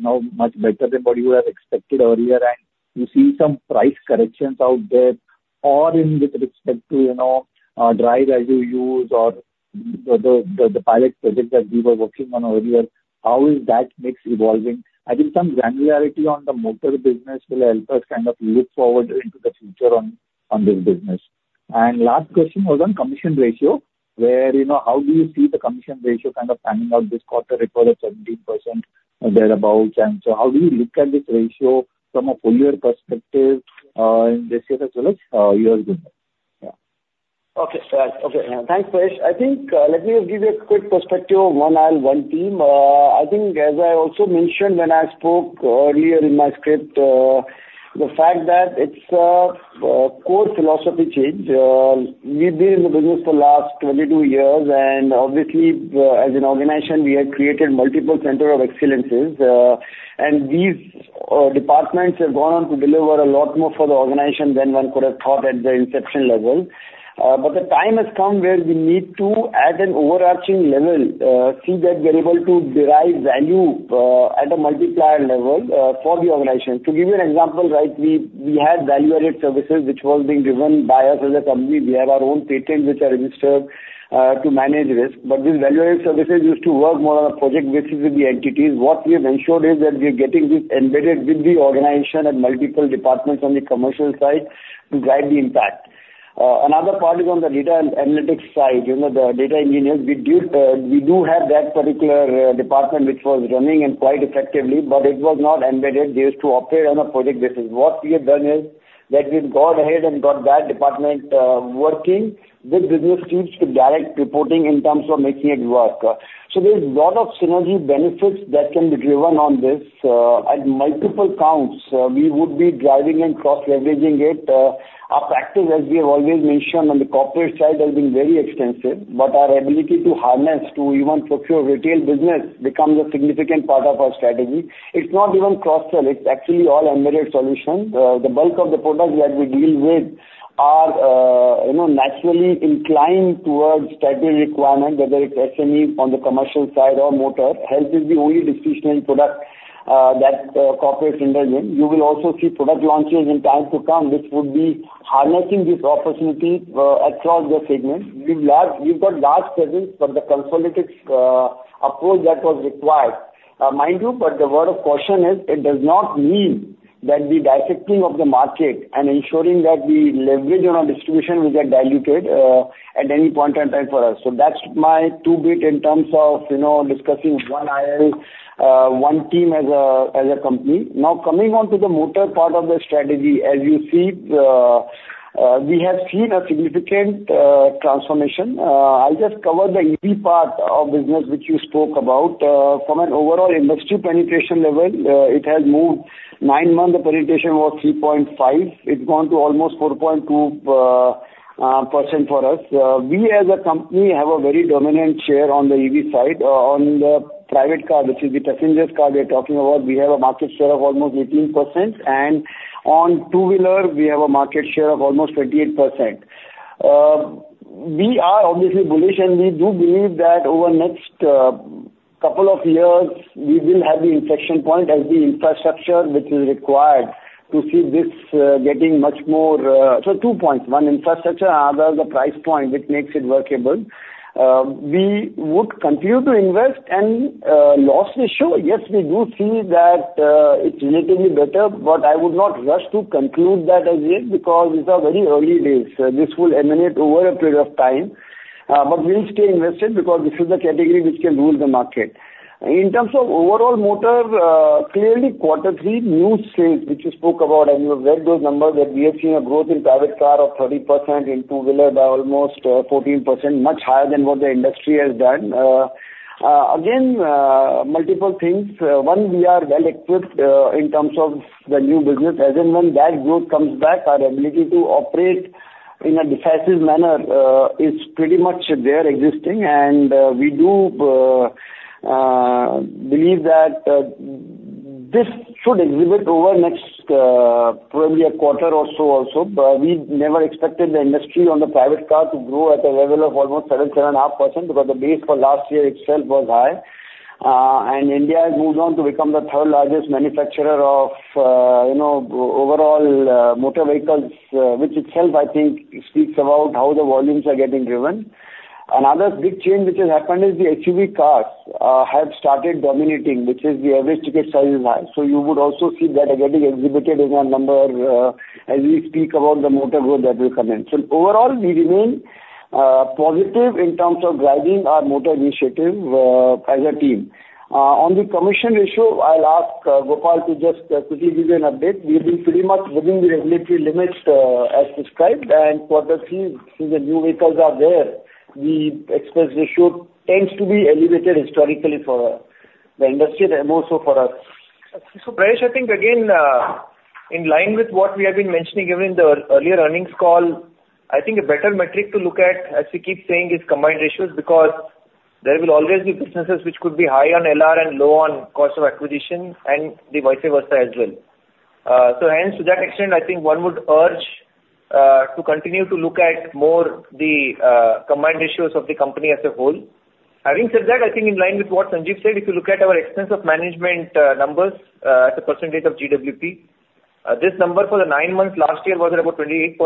Speaker 7: know, much better than what you had expected earlier, and you see some price corrections out there, or in with respect to, you know, drive as you use or the pilot project that we were working on earlier, how is that mix evolving? I think some granularity on the motor business will help us kind of look forward into the future on this business. Last question was on commission ratio, where, you know, how do you see the commission ratio kind of panning out this quarter report at 17% or thereabout? So how do you look at this ratio from a full year perspective, in this year as well as years going forward? Yeah.
Speaker 2: Thanks, Prayesh. I think, let me just give you a quick perspective, One IL, one team. I think as I also mentioned when I spoke earlier in my script, the fact that it's a core philosophy change. We've been in the business for the last 22 years, and obviously, as an organization, we have created multiple centers of excellence, and these departments have gone on to deliver a lot more for the organization than one could have thought at the inception level. But the time has come where we need to, at an overarching level, see that we're able to derive value, at a multiplier level, for the organization. To give you an example, right, we had value-added services which was being driven by us as a company. We have our own patents which are registered to manage risk, but these value-added services used to work more on a project basis with the entities. What we have ensured is that we are getting this embedded with the organization and multiple departments on the commercial side to drive the impact. Another part is on the data and analytics side, you know, the data engineers. We have that particular department which was running and quite effectively, but it was not embedded. They used to operate on a project basis. What we have done is that we've gone ahead and got that department working with business teams to direct reporting in terms of making it work. So there's a lot of synergy benefits that can be driven on this at multiple counts. We would be driving and cross-leveraging it. Our practice, as we have always mentioned on the corporate side, has been very extensive, but our ability to harness, to even procure retail business becomes a significant part of our strategy. It's not even cross-sell, it's actually all embedded solutions. The bulk of the products that we deal with are, you know, naturally inclined towards statutory requirement, whether it's SME on the commercial side or motor. Health is the only discretionary product that corporates indulge in. You will also see product launches in time to come, which would be harnessing this opportunity across the segment. We've got large presence for the consolidated approach that was required. Mind you, but the word of caution is, it does not mean that the dissecting of the market and ensuring that we leverage on our distribution will get diluted at any point in time for us. So that's my two bit in terms of, you know, discussing one aisle, one team as a, as a company. Now, coming on to the motor part of the strategy, as you see, we have seen a significant transformation. I just covered the EV part of business which you spoke about. From an overall industry penetration level, it has moved. Nine months, the penetration was 3.5%, it's gone to almost 4.2% for us. We as a company have a very dominant share on the EV side. On the private car, which is the passenger car we are talking about, we have a market share of almost 18%, and on two-wheeler, we have a market share of almost 28%. We are obviously bullish, and we do believe that over next couple of years, we will have the inflection point as the infrastructure which is required to see this getting much more. So two points, one, infrastructure, another, the price point, which makes it workable. We would continue to invest, and loss ratio, yes, we do see that it's relatively better, but I would not rush to conclude that as yet because these are very early days. This will emanate over a period of time, but we'll stay invested because this is the category which can rule the market. In terms of overall motor, clearly, quarter three new sales, which you spoke about, and you read those numbers, that we have seen a growth in private car of 30%, in two-wheeler by almost 14%, much higher than what the industry has done. Again, multiple things. One, we are well equipped in terms of the new business. As and when that growth comes back, our ability to operate in a decisive manner is pretty much there existing. And we do believe that this should exhibit over next probably a quarter or so, also. But we never expected the industry on the private car to grow at a level of almost 7-7.5%, because the base for last year itself was high. And India has moved on to become the third largest manufacturer of, you know, overall, motor vehicles, which itself I think speaks about how the volumes are getting driven. Another big change which has happened is the SUV cars have started dominating, which is the average ticket size is high. So you would also see that getting exhibited in our number, as we speak about the motor growth that will come in. So overall, we remain positive in terms of driving our motor initiative, as a team. On the commission ratio, I'll ask Gopal to just quickly give you an update. We've been pretty much within the regulatory limits, as described, and quarter three, since the new vehicles are there, the expense ratio tends to be elevated historically for the industry and more so for us.
Speaker 3: So Prayesh, I think again, in line with what we have been mentioning during the earlier earnings call, I think a better metric to look at, as we keep saying, is combined ratio, because there will always be businesses which could be high on LR and low on cost of acquisition, and the vice versa as well. So hence, to that extent, I think one would urge to continue to look at more the combined ratio of the company as a whole. Having said that, I think in line with what Sanjeev said, if you look at our expense of management numbers, as a percentage of GWP, this number for the nine months last year was about 28.6%.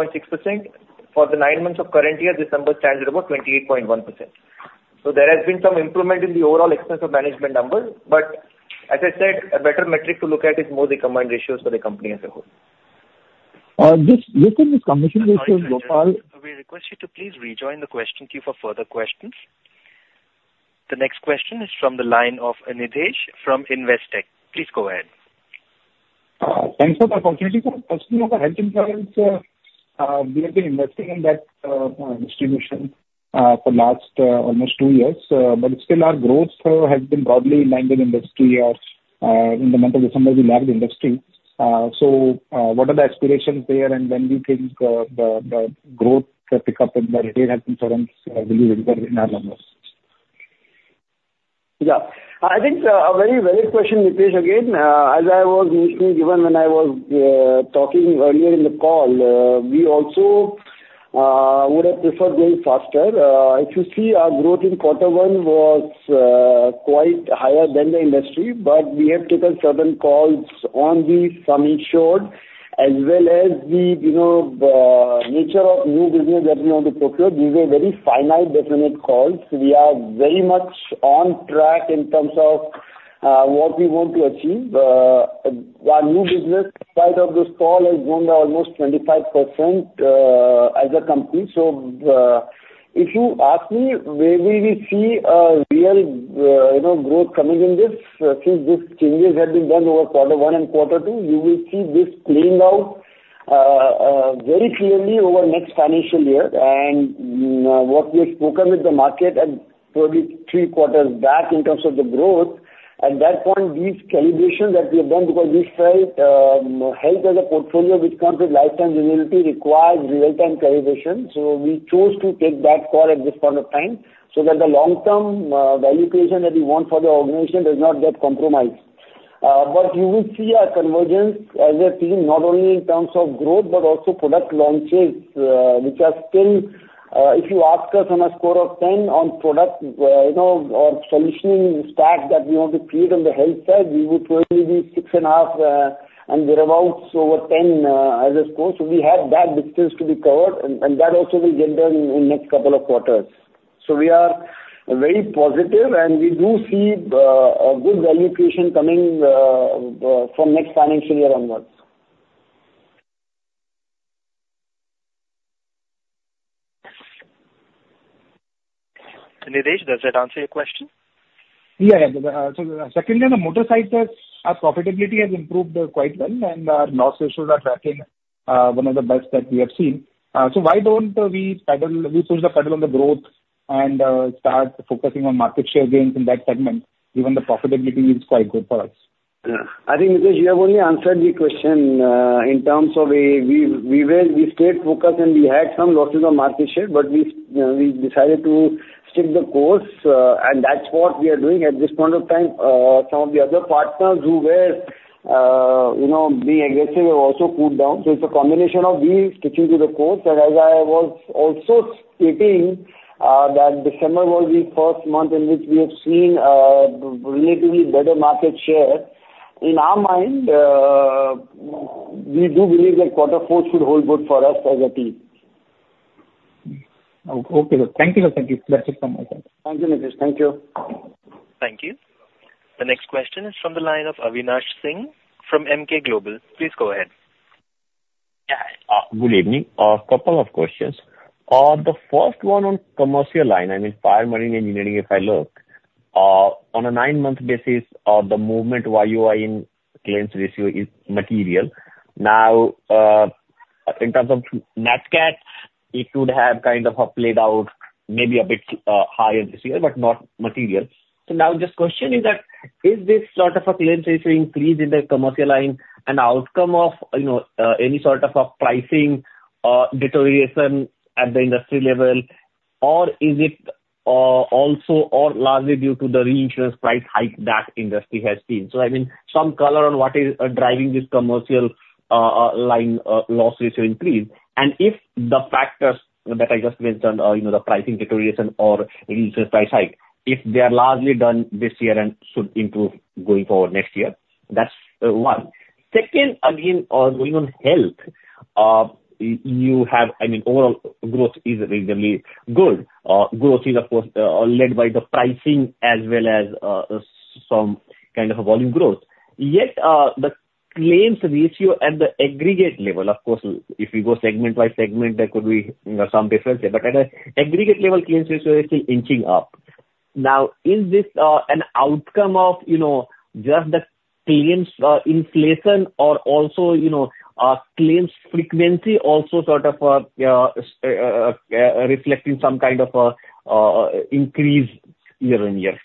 Speaker 3: For the nine months of current year, this number stands at about 28.1%.... There has been some improvement in the overall expense of management numbers. As I said, a better metric to look at is more the combined ratios for the company as a whole.
Speaker 7: Just looking at the commission ratios local-
Speaker 1: We request you to please rejoin the question queue for further questions. The next question is from the line of Nidhesh from Investec. Please go ahead.
Speaker 8: Thanks for the opportunity, sir. Question of the health insurance, we have been investing in that distribution for last almost two years. But still our growth has been broadly in line with industry or, in the month of December, we lagged the industry. So, what are the aspirations there, and when do you think the growth pick up in the health insurance will improve in our numbers?
Speaker 2: Yeah. I think a very valid question, Nidhesh, again. As I was mentioning, even when I was talking earlier in the call, we also would have preferred going faster. If you see, our growth in quarter one was quite higher than the industry, but we have taken certain calls on the sum insured, as well as the, you know, nature of new business that we want to procure. These are very firm, definite calls. We are very much on track in terms of what we want to achieve. Our new business side of this call has grown by almost 25%, as a company. So, if you ask me, where will we see a real, you know, growth coming in this, since these changes have been done over quarter one and quarter two, you will see this playing out, very clearly over next financial year. And, what we have spoken with the market and probably three quarters back in terms of the growth, at that point, these calibrations that we have done, because we felt, health as a portfolio, which comes with lifetime durability, requires real-time calibration. So we chose to take that call at this point of time, so that the long-term, value creation that we want for the organization does not get compromised. But you will see a convergence as a team, not only in terms of growth, but also product launches, which are still, if you ask us on a score of 10 on product, you know, or solutioning stack that we want to create on the health side, we would probably be 6.5, and we're about over 10, as a score. So we have that distance to be covered, and that also will get done in next couple of quarters. So we are very positive, and we do see a good value creation coming from next financial year onwards. Nidhesh, does that answer your question?
Speaker 8: Yeah. Yeah. So secondly, on the motor side, our profitability has improved quite well, and our loss ratios are tracking one of the best that we have seen. So why don't we pedal, we push the pedal on the growth and start focusing on market share gains in that segment, given the profitability is quite good for us?
Speaker 2: Yeah. I think, Nidhesh, you have only answered the question in terms of we will. We stayed focused, and we had some losses on market share, but we decided to stick the course, and that's what we are doing at this point of time. Some of the other partners who were, you know, being aggressive have also cooled down. So it's a combination of we sticking to the course, and as I was also stating, that December was the first month in which we have seen relatively better market share. In our mind, we do believe that quarter four should hold good for us as a team.
Speaker 8: Okay. Thank you. Thank you. That's it from my side.
Speaker 2: Thank you, Nidhesh. Thank you.
Speaker 1: Thank you. The next question is from the line of Avinash Singh from Emkay Global. Please go ahead.
Speaker 9: Yeah. Good evening. A couple of questions. The first one on commercial line, I mean, fire marine engineering, if I look on a nine-month basis, the movement YoY in claims ratio is material. Now, in terms of nat cat, it would have kind of played out maybe a bit higher this year, but not material. So now the question is that, is this sort of a claims ratio increase in the commercial line an outcome of, you know, any sort of a pricing deterioration at the industry level? Or is it also or largely due to the reinsurance price hike that industry has seen? So I mean, some color on what is driving this commercial line loss ratio increase. If the factors that I just mentioned, you know, the pricing deterioration or reinsurance price hike, if they are largely done this year and should improve going forward next year. That's one. Second, again, going on health, you have, I mean, overall growth is reasonably good. Growth is, of course, led by the pricing as well as some kind of a volume growth. Yet, the claims ratio at the aggregate level, of course, if you go segment by segment, there could be, you know, some differences, but at an aggregate level, claims ratio is inching up. Now, is this an outcome of, you know, just the claims inflation or also, you know, claims frequency also sort of reflecting some kind of increase year-over-year?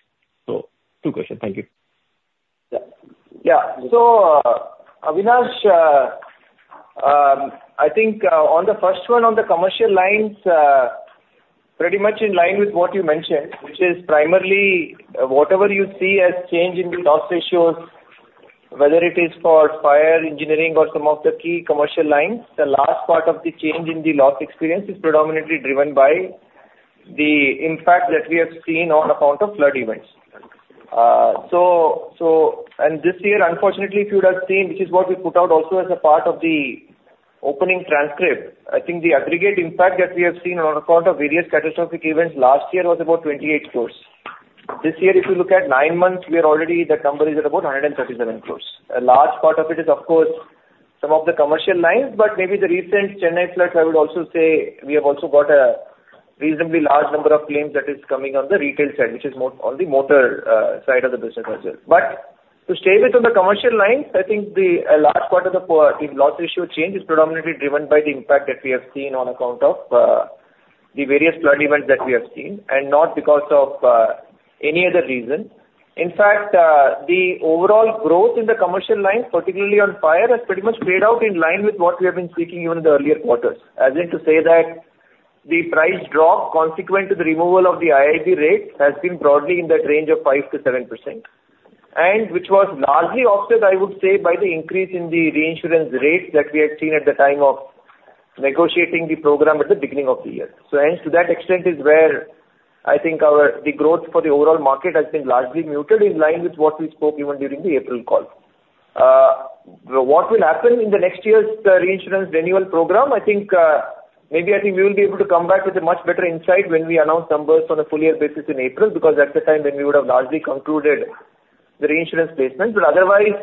Speaker 9: So two questions. Thank you.
Speaker 3: Yeah. So, Avinash, I think, on the first one, on the commercial lines, pretty much in line with what you mentioned, which is primarily whatever you see as change in the loss ratios, whether it is for fire engineering or some of the key commercial lines, the last part of the change in the loss experience is predominantly driven by the impact that we have seen on account of flood events.... So and this year, unfortunately, if you would have seen, which is what we put out also as a part of the opening transcript, I think the aggregate impact that we have seen on account of various catastrophic events last year was about 28 crore. This year, if you look at nine months, we are already, that number is at about 137 crore. A large part of it is, of course, some of the commercial lines, but maybe the recent Chennai floods, I would also say we have also got a reasonably large number of claims that is coming on the retail side, which is more on the motor, side of the business as well. But to stay within the commercial lines, I think a large part of the loss ratio change is predominantly driven by the impact that we have seen on account of the various flood events that we have seen, and not because of any other reason. In fact, the overall growth in the commercial lines, particularly on fire, has pretty much played out in line with what we have been speaking even in the earlier quarters. As in to say that the price drop consequent to the removal of the IIB rate has been broadly in that range of 5%-7%, and which was largely offset, I would say, by the increase in the reinsurance rates that we had seen at the time of negotiating the program at the beginning of the year. And to that extent is where I think the growth for the overall market has been largely muted, in line with what we spoke even during the April call. What will happen in the next year's reinsurance renewal program? I think, maybe I think we will be able to come back with a much better insight when we announce numbers on a full year basis in April, because that's the time when we would have largely concluded the reinsurance placement. But otherwise,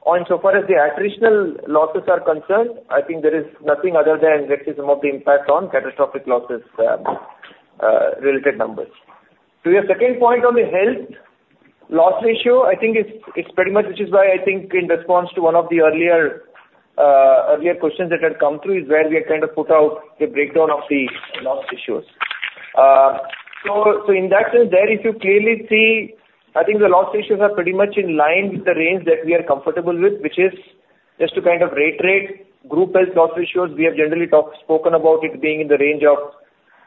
Speaker 3: as far as the attritional losses are concerned, I think there is nothing other than let's say some of the impact on catastrophic losses, related numbers. To your second point on the health loss ratio, I think it's pretty much which is why I think in response to one of the earlier questions that had come through, is where we have kind of put out the breakdown of the loss ratios. So in that sense, there if you clearly see, I think the loss ratios are pretty much in line with the range that we are comfortable with, which is just to kind of reiterate, group health loss ratios, we have generally spoken about it being in the range of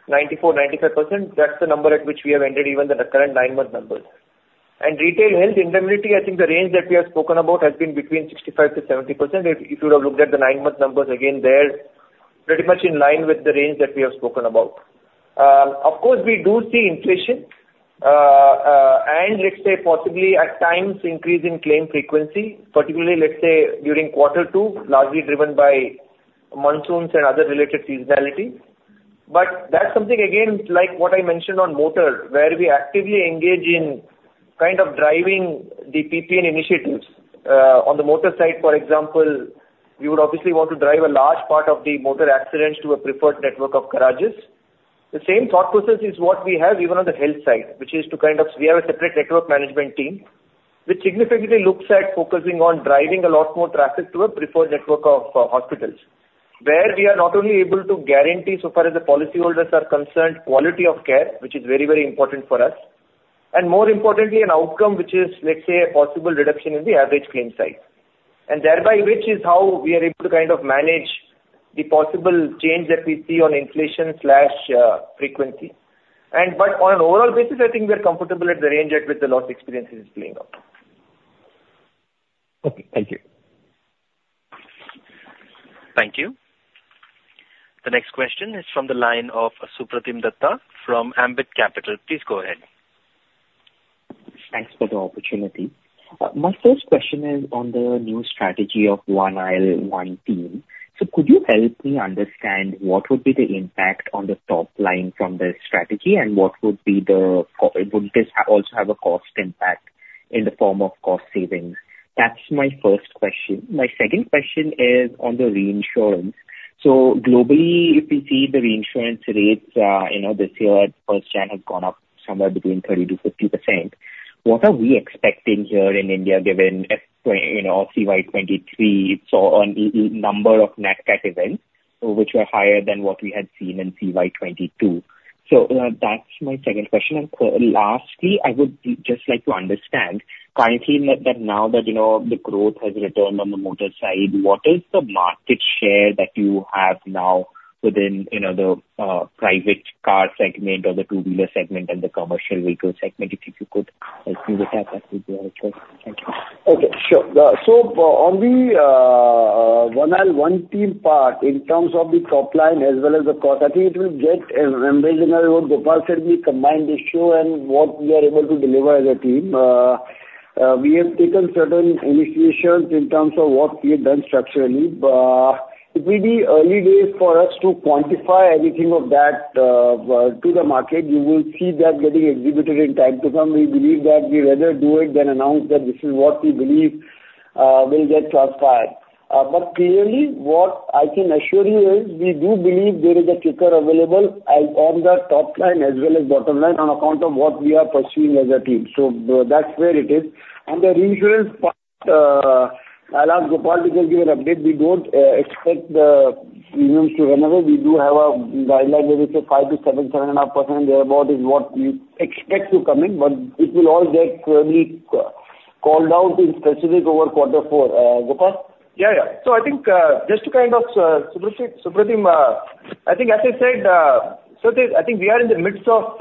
Speaker 3: 94%-95%. That's the number at which we have entered even the current nine-month numbers. And retail health indemnity, I think the range that we have spoken about has been between 65%-70%. If you would have looked at the nine-month numbers, again, they're pretty much in line with the range that we have spoken about. Of course, we do see inflation, and let's say possibly at times, increase in claim frequency, particularly, let's say, during quarter two, largely driven by monsoons and other related seasonality. But that's something, again, like what I mentioned on motor, where we actively engage in kind of driving the PPN initiatives. On the motor side, for example, we would obviously want to drive a large part of the motor accidents to a preferred network of garages. The same thought process is what we have even on the health side, which is to kind of... We have a separate network management team, which significantly looks at focusing on driving a lot more traffic to a preferred network of hospitals, where we are not only able to guarantee, so far as the policyholders are concerned, quality of care, which is very, very important for us, and more importantly, an outcome which is, let's say, a possible reduction in the average claim size. And thereby, which is how we are able to kind of manage the possible change that we see on inflation slash frequency. And but on an overall basis, I think we are comfortable at the range at which the loss experience is playing out. Okay, thank you.
Speaker 1: Thank you. The next question is from the line of Supratim Datta from Ambit Capital. Please go ahead.
Speaker 10: Thanks for the opportunity. My first question is on the new strategy of One IL, One Team. So could you help me understand what would be the impact on the top line from this strategy, and what would be the would this also have a cost impact in the form of cost savings? That's my first question. My second question is on the reinsurance. So globally, if you see the reinsurance rates, you know, this year at 1st Jan have gone up somewhere between 30%-50%. What are we expecting here in India, given, you know, CY 2023 saw a number of nat cat events which were higher than what we had seen in CY 2022? So, that's my second question. Lastly, I would just like to understand, currently, now that, you know, the growth has returned on the motor side, what is the market share that you have now within, you know, the private car segment or the two-wheeler segment and the commercial vehicle segment? If you could help me with that, that would be helpful. Thank you.
Speaker 2: Okay, sure. So on the one silos, one team part, in terms of the top line as well as the cost, I think it will get embellished in our own. Gopal said we combined the silos and what we are able to deliver as a team. We have taken certain initiatives in terms of what we have done structurally. But it will be early days for us to quantify anything of that to the market. You will see that getting exhibited in time to come. We believe that we rather do it than announce that this is what we believe will get transpired. But clearly, what I can assure you is, we do believe there is a kicker available as on the top line as well as bottom line, on account of what we are pursuing as a team. So, that's where it is. And the reinsurance part, I'll ask Gopal to just give an update. We don't expect the premiums to run away. We do have a guideline, where we say 5-7, 7.5%, thereabout is what we expect to come in, but it will all get clearly called out in specific over quarter four. Gopal?
Speaker 3: Yeah, yeah. So I think, just to kind of, Supratim, Supratim, I think as I said, so the, I think we are in the midst of,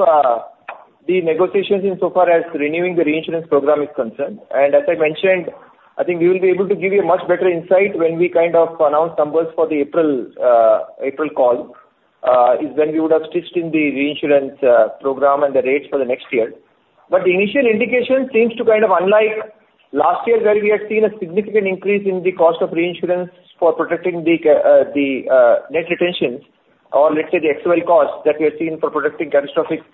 Speaker 3: the negotiations in so far as renewing the reinsurance program is concerned. And as I mentioned, I think we will be able to give you a much better insight when we kind of announce numbers for the April, April call.... is when we would have fixed in the reinsurance program and the rates for the next year. But the initial indication seems to kind of unlike last year, where we had seen a significant increase in the cost of reinsurance for protecting the net retentions, or let's say, the XOL costs that we have seen for protecting catastrophic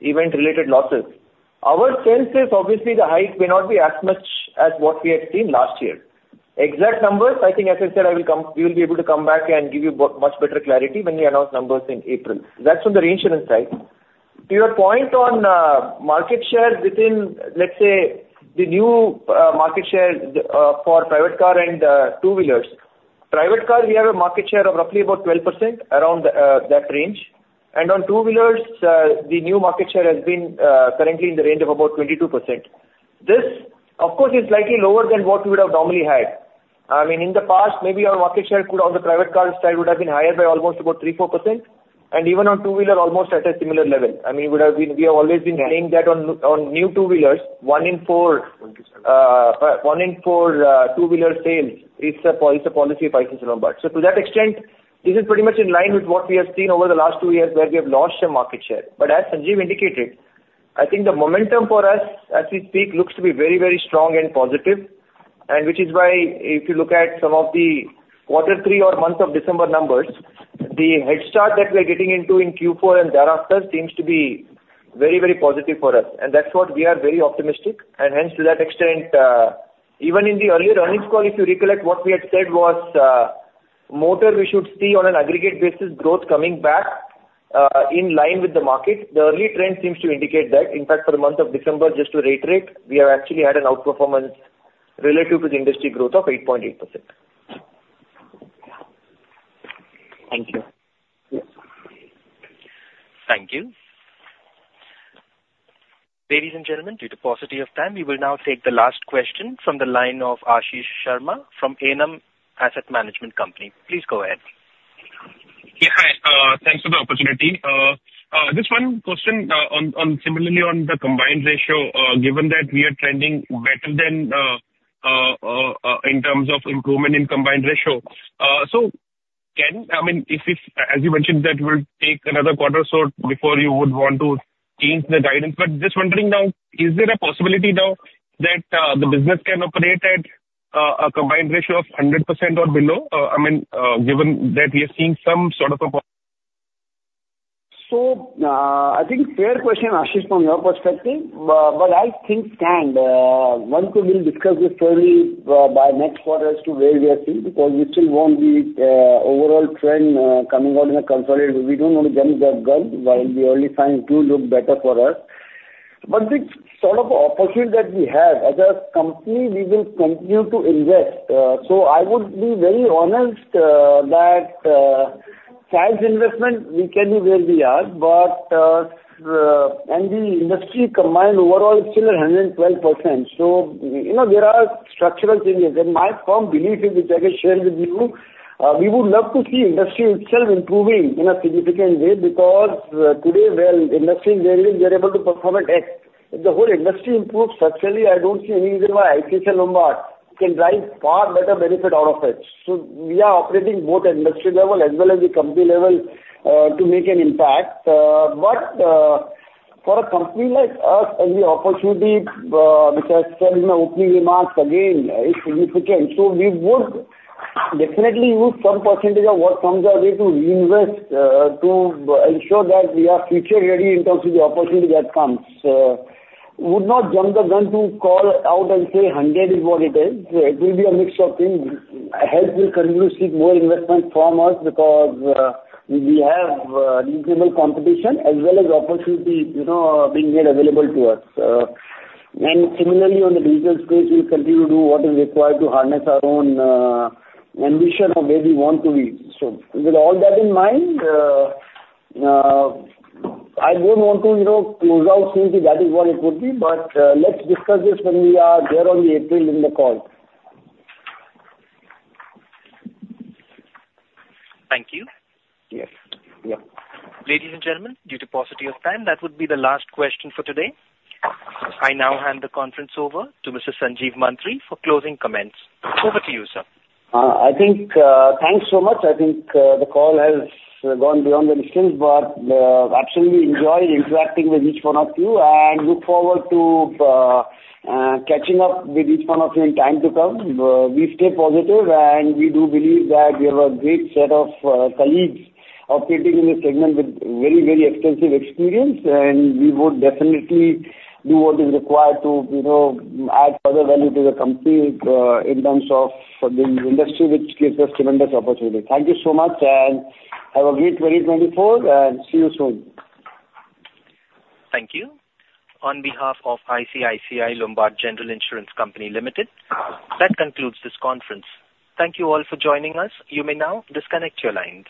Speaker 3: event-related losses. Our sense is obviously the hike may not be as much as what we had seen last year. Exact numbers, I think as I said, we will be able to come back and give you much better clarity when we announce numbers in April. That's from the reinsurance side. To your point on market share within, let's say, the new market share for private car and two-wheelers. Private car, we have a market share of roughly about 12%, around that range. And on two-wheelers, the new market share has been currently in the range of about 22%. This, of course, is slightly lower than what we would have normally had. I mean, in the past, maybe our market share could, on the private car side, would have been higher by almost about 3%-4%, and even on two-wheeler, almost at a similar level. I mean, we would have been. We have always been saying that on new two-wheelers, one in four two-wheeler sales is a policy of ICICI Lombard. So to that extent, this is pretty much in line with what we have seen over the last two years where we have launched a market share. But as Sanjeev indicated, I think the momentum for us, as we speak, looks to be very, very strong and positive. And which is why if you look at some of the quarter three or month of December numbers, the headstart that we are getting into in Q4 and thereafter seems to be very, very positive for us, and that's what we are very optimistic. And hence, to that extent, even in the earlier earnings call, if you recollect, what we had said was, motor, we should see on an aggregate basis, growth coming back, in line with the market. The early trend seems to indicate that. In fact, for the month of December, just to iterate, we have actually had an outperformance relative to the industry growth of 8.8%.
Speaker 10: Thank you.
Speaker 1: Thank you. Ladies and gentlemen, due to paucity of time, we will now take the last question from the line of Ashish Sharma from Enam Asset Management Company. Please go ahead.
Speaker 11: Yeah, hi, thanks for the opportunity. Just one question on, on similarly on the combined ratio, given that we are trending better than in terms of improvement in combined ratio. So can—I mean, if, if, as you mentioned, that will take another quarter or so before you would want to change the guidance, but just wondering now, is there a possibility now that the business can operate at a combined ratio of 100% or below? I mean, given that we are seeing some sort of a po-
Speaker 2: So, I think fair question, Ashish, from your perspective, but I think, and, one, two, we'll discuss this probably by next quarter as to where we are seeing, because we still want the overall trend coming out in a consolidated. We don't want to jump the gun while the early signs do look better for us. But the sort of opportunity that we have as a company, we will continue to invest. So I would be very honest, that size investment we can be where we are, but, and the industry combined overall is still at 112%. So, you know, there are structural changes. My firm belief is, which I can share with you, we would love to see industry itself improving in a significant way, because, today, well, industry in general, we are able to perform at X. If the whole industry improves structurally, I don't see any reason why ICICI Lombard can drive far better benefit out of it. So we are operating both at industry level as well as the company level, to make an impact. But, for a company like us, any opportunity, which I said in my opening remarks again, is significant. So we would definitely use some percentage of what comes our way to invest, to ensure that we are future-ready in terms of the opportunity that comes. Would not jump the gun to call out and say hundred is what it is. It will be a mix of things. I hope we continue to see more investment from us because, we have, reasonable competition as well as opportunities, you know, being made available to us. And similarly, on the digital space, we'll continue to do what is required to harness our own, ambition of where we want to be. So with all that in mind, I don't want to, you know, close out saying that is what it would be, but, let's discuss this when we are there on the eighth in the call.
Speaker 1: Thank you.
Speaker 2: Yes. Yeah.
Speaker 1: Ladies and gentlemen, due to paucity of time, that would be the last question for today. I now hand the conference over to Mr. Sanjeev Mantri for closing comments. Over to you, sir.
Speaker 2: I think, thanks so much. I think, the call has gone beyond the distance, but absolutely enjoy interacting with each one of you, and look forward to catching up with each one of you in time to come. We stay positive, and we do believe that we have a great set of colleagues operating in this segment with very, very extensive experience, and we would definitely do what is required to, you know, add further value to the company in terms of the industry, which gives us tremendous opportunity. Thank you so much, and have a great 2024, and see you soon.
Speaker 1: Thank you. On behalf of ICICI Lombard General Insurance Company Limited, that concludes this conference. Thank you all for joining us. You may now disconnect your lines.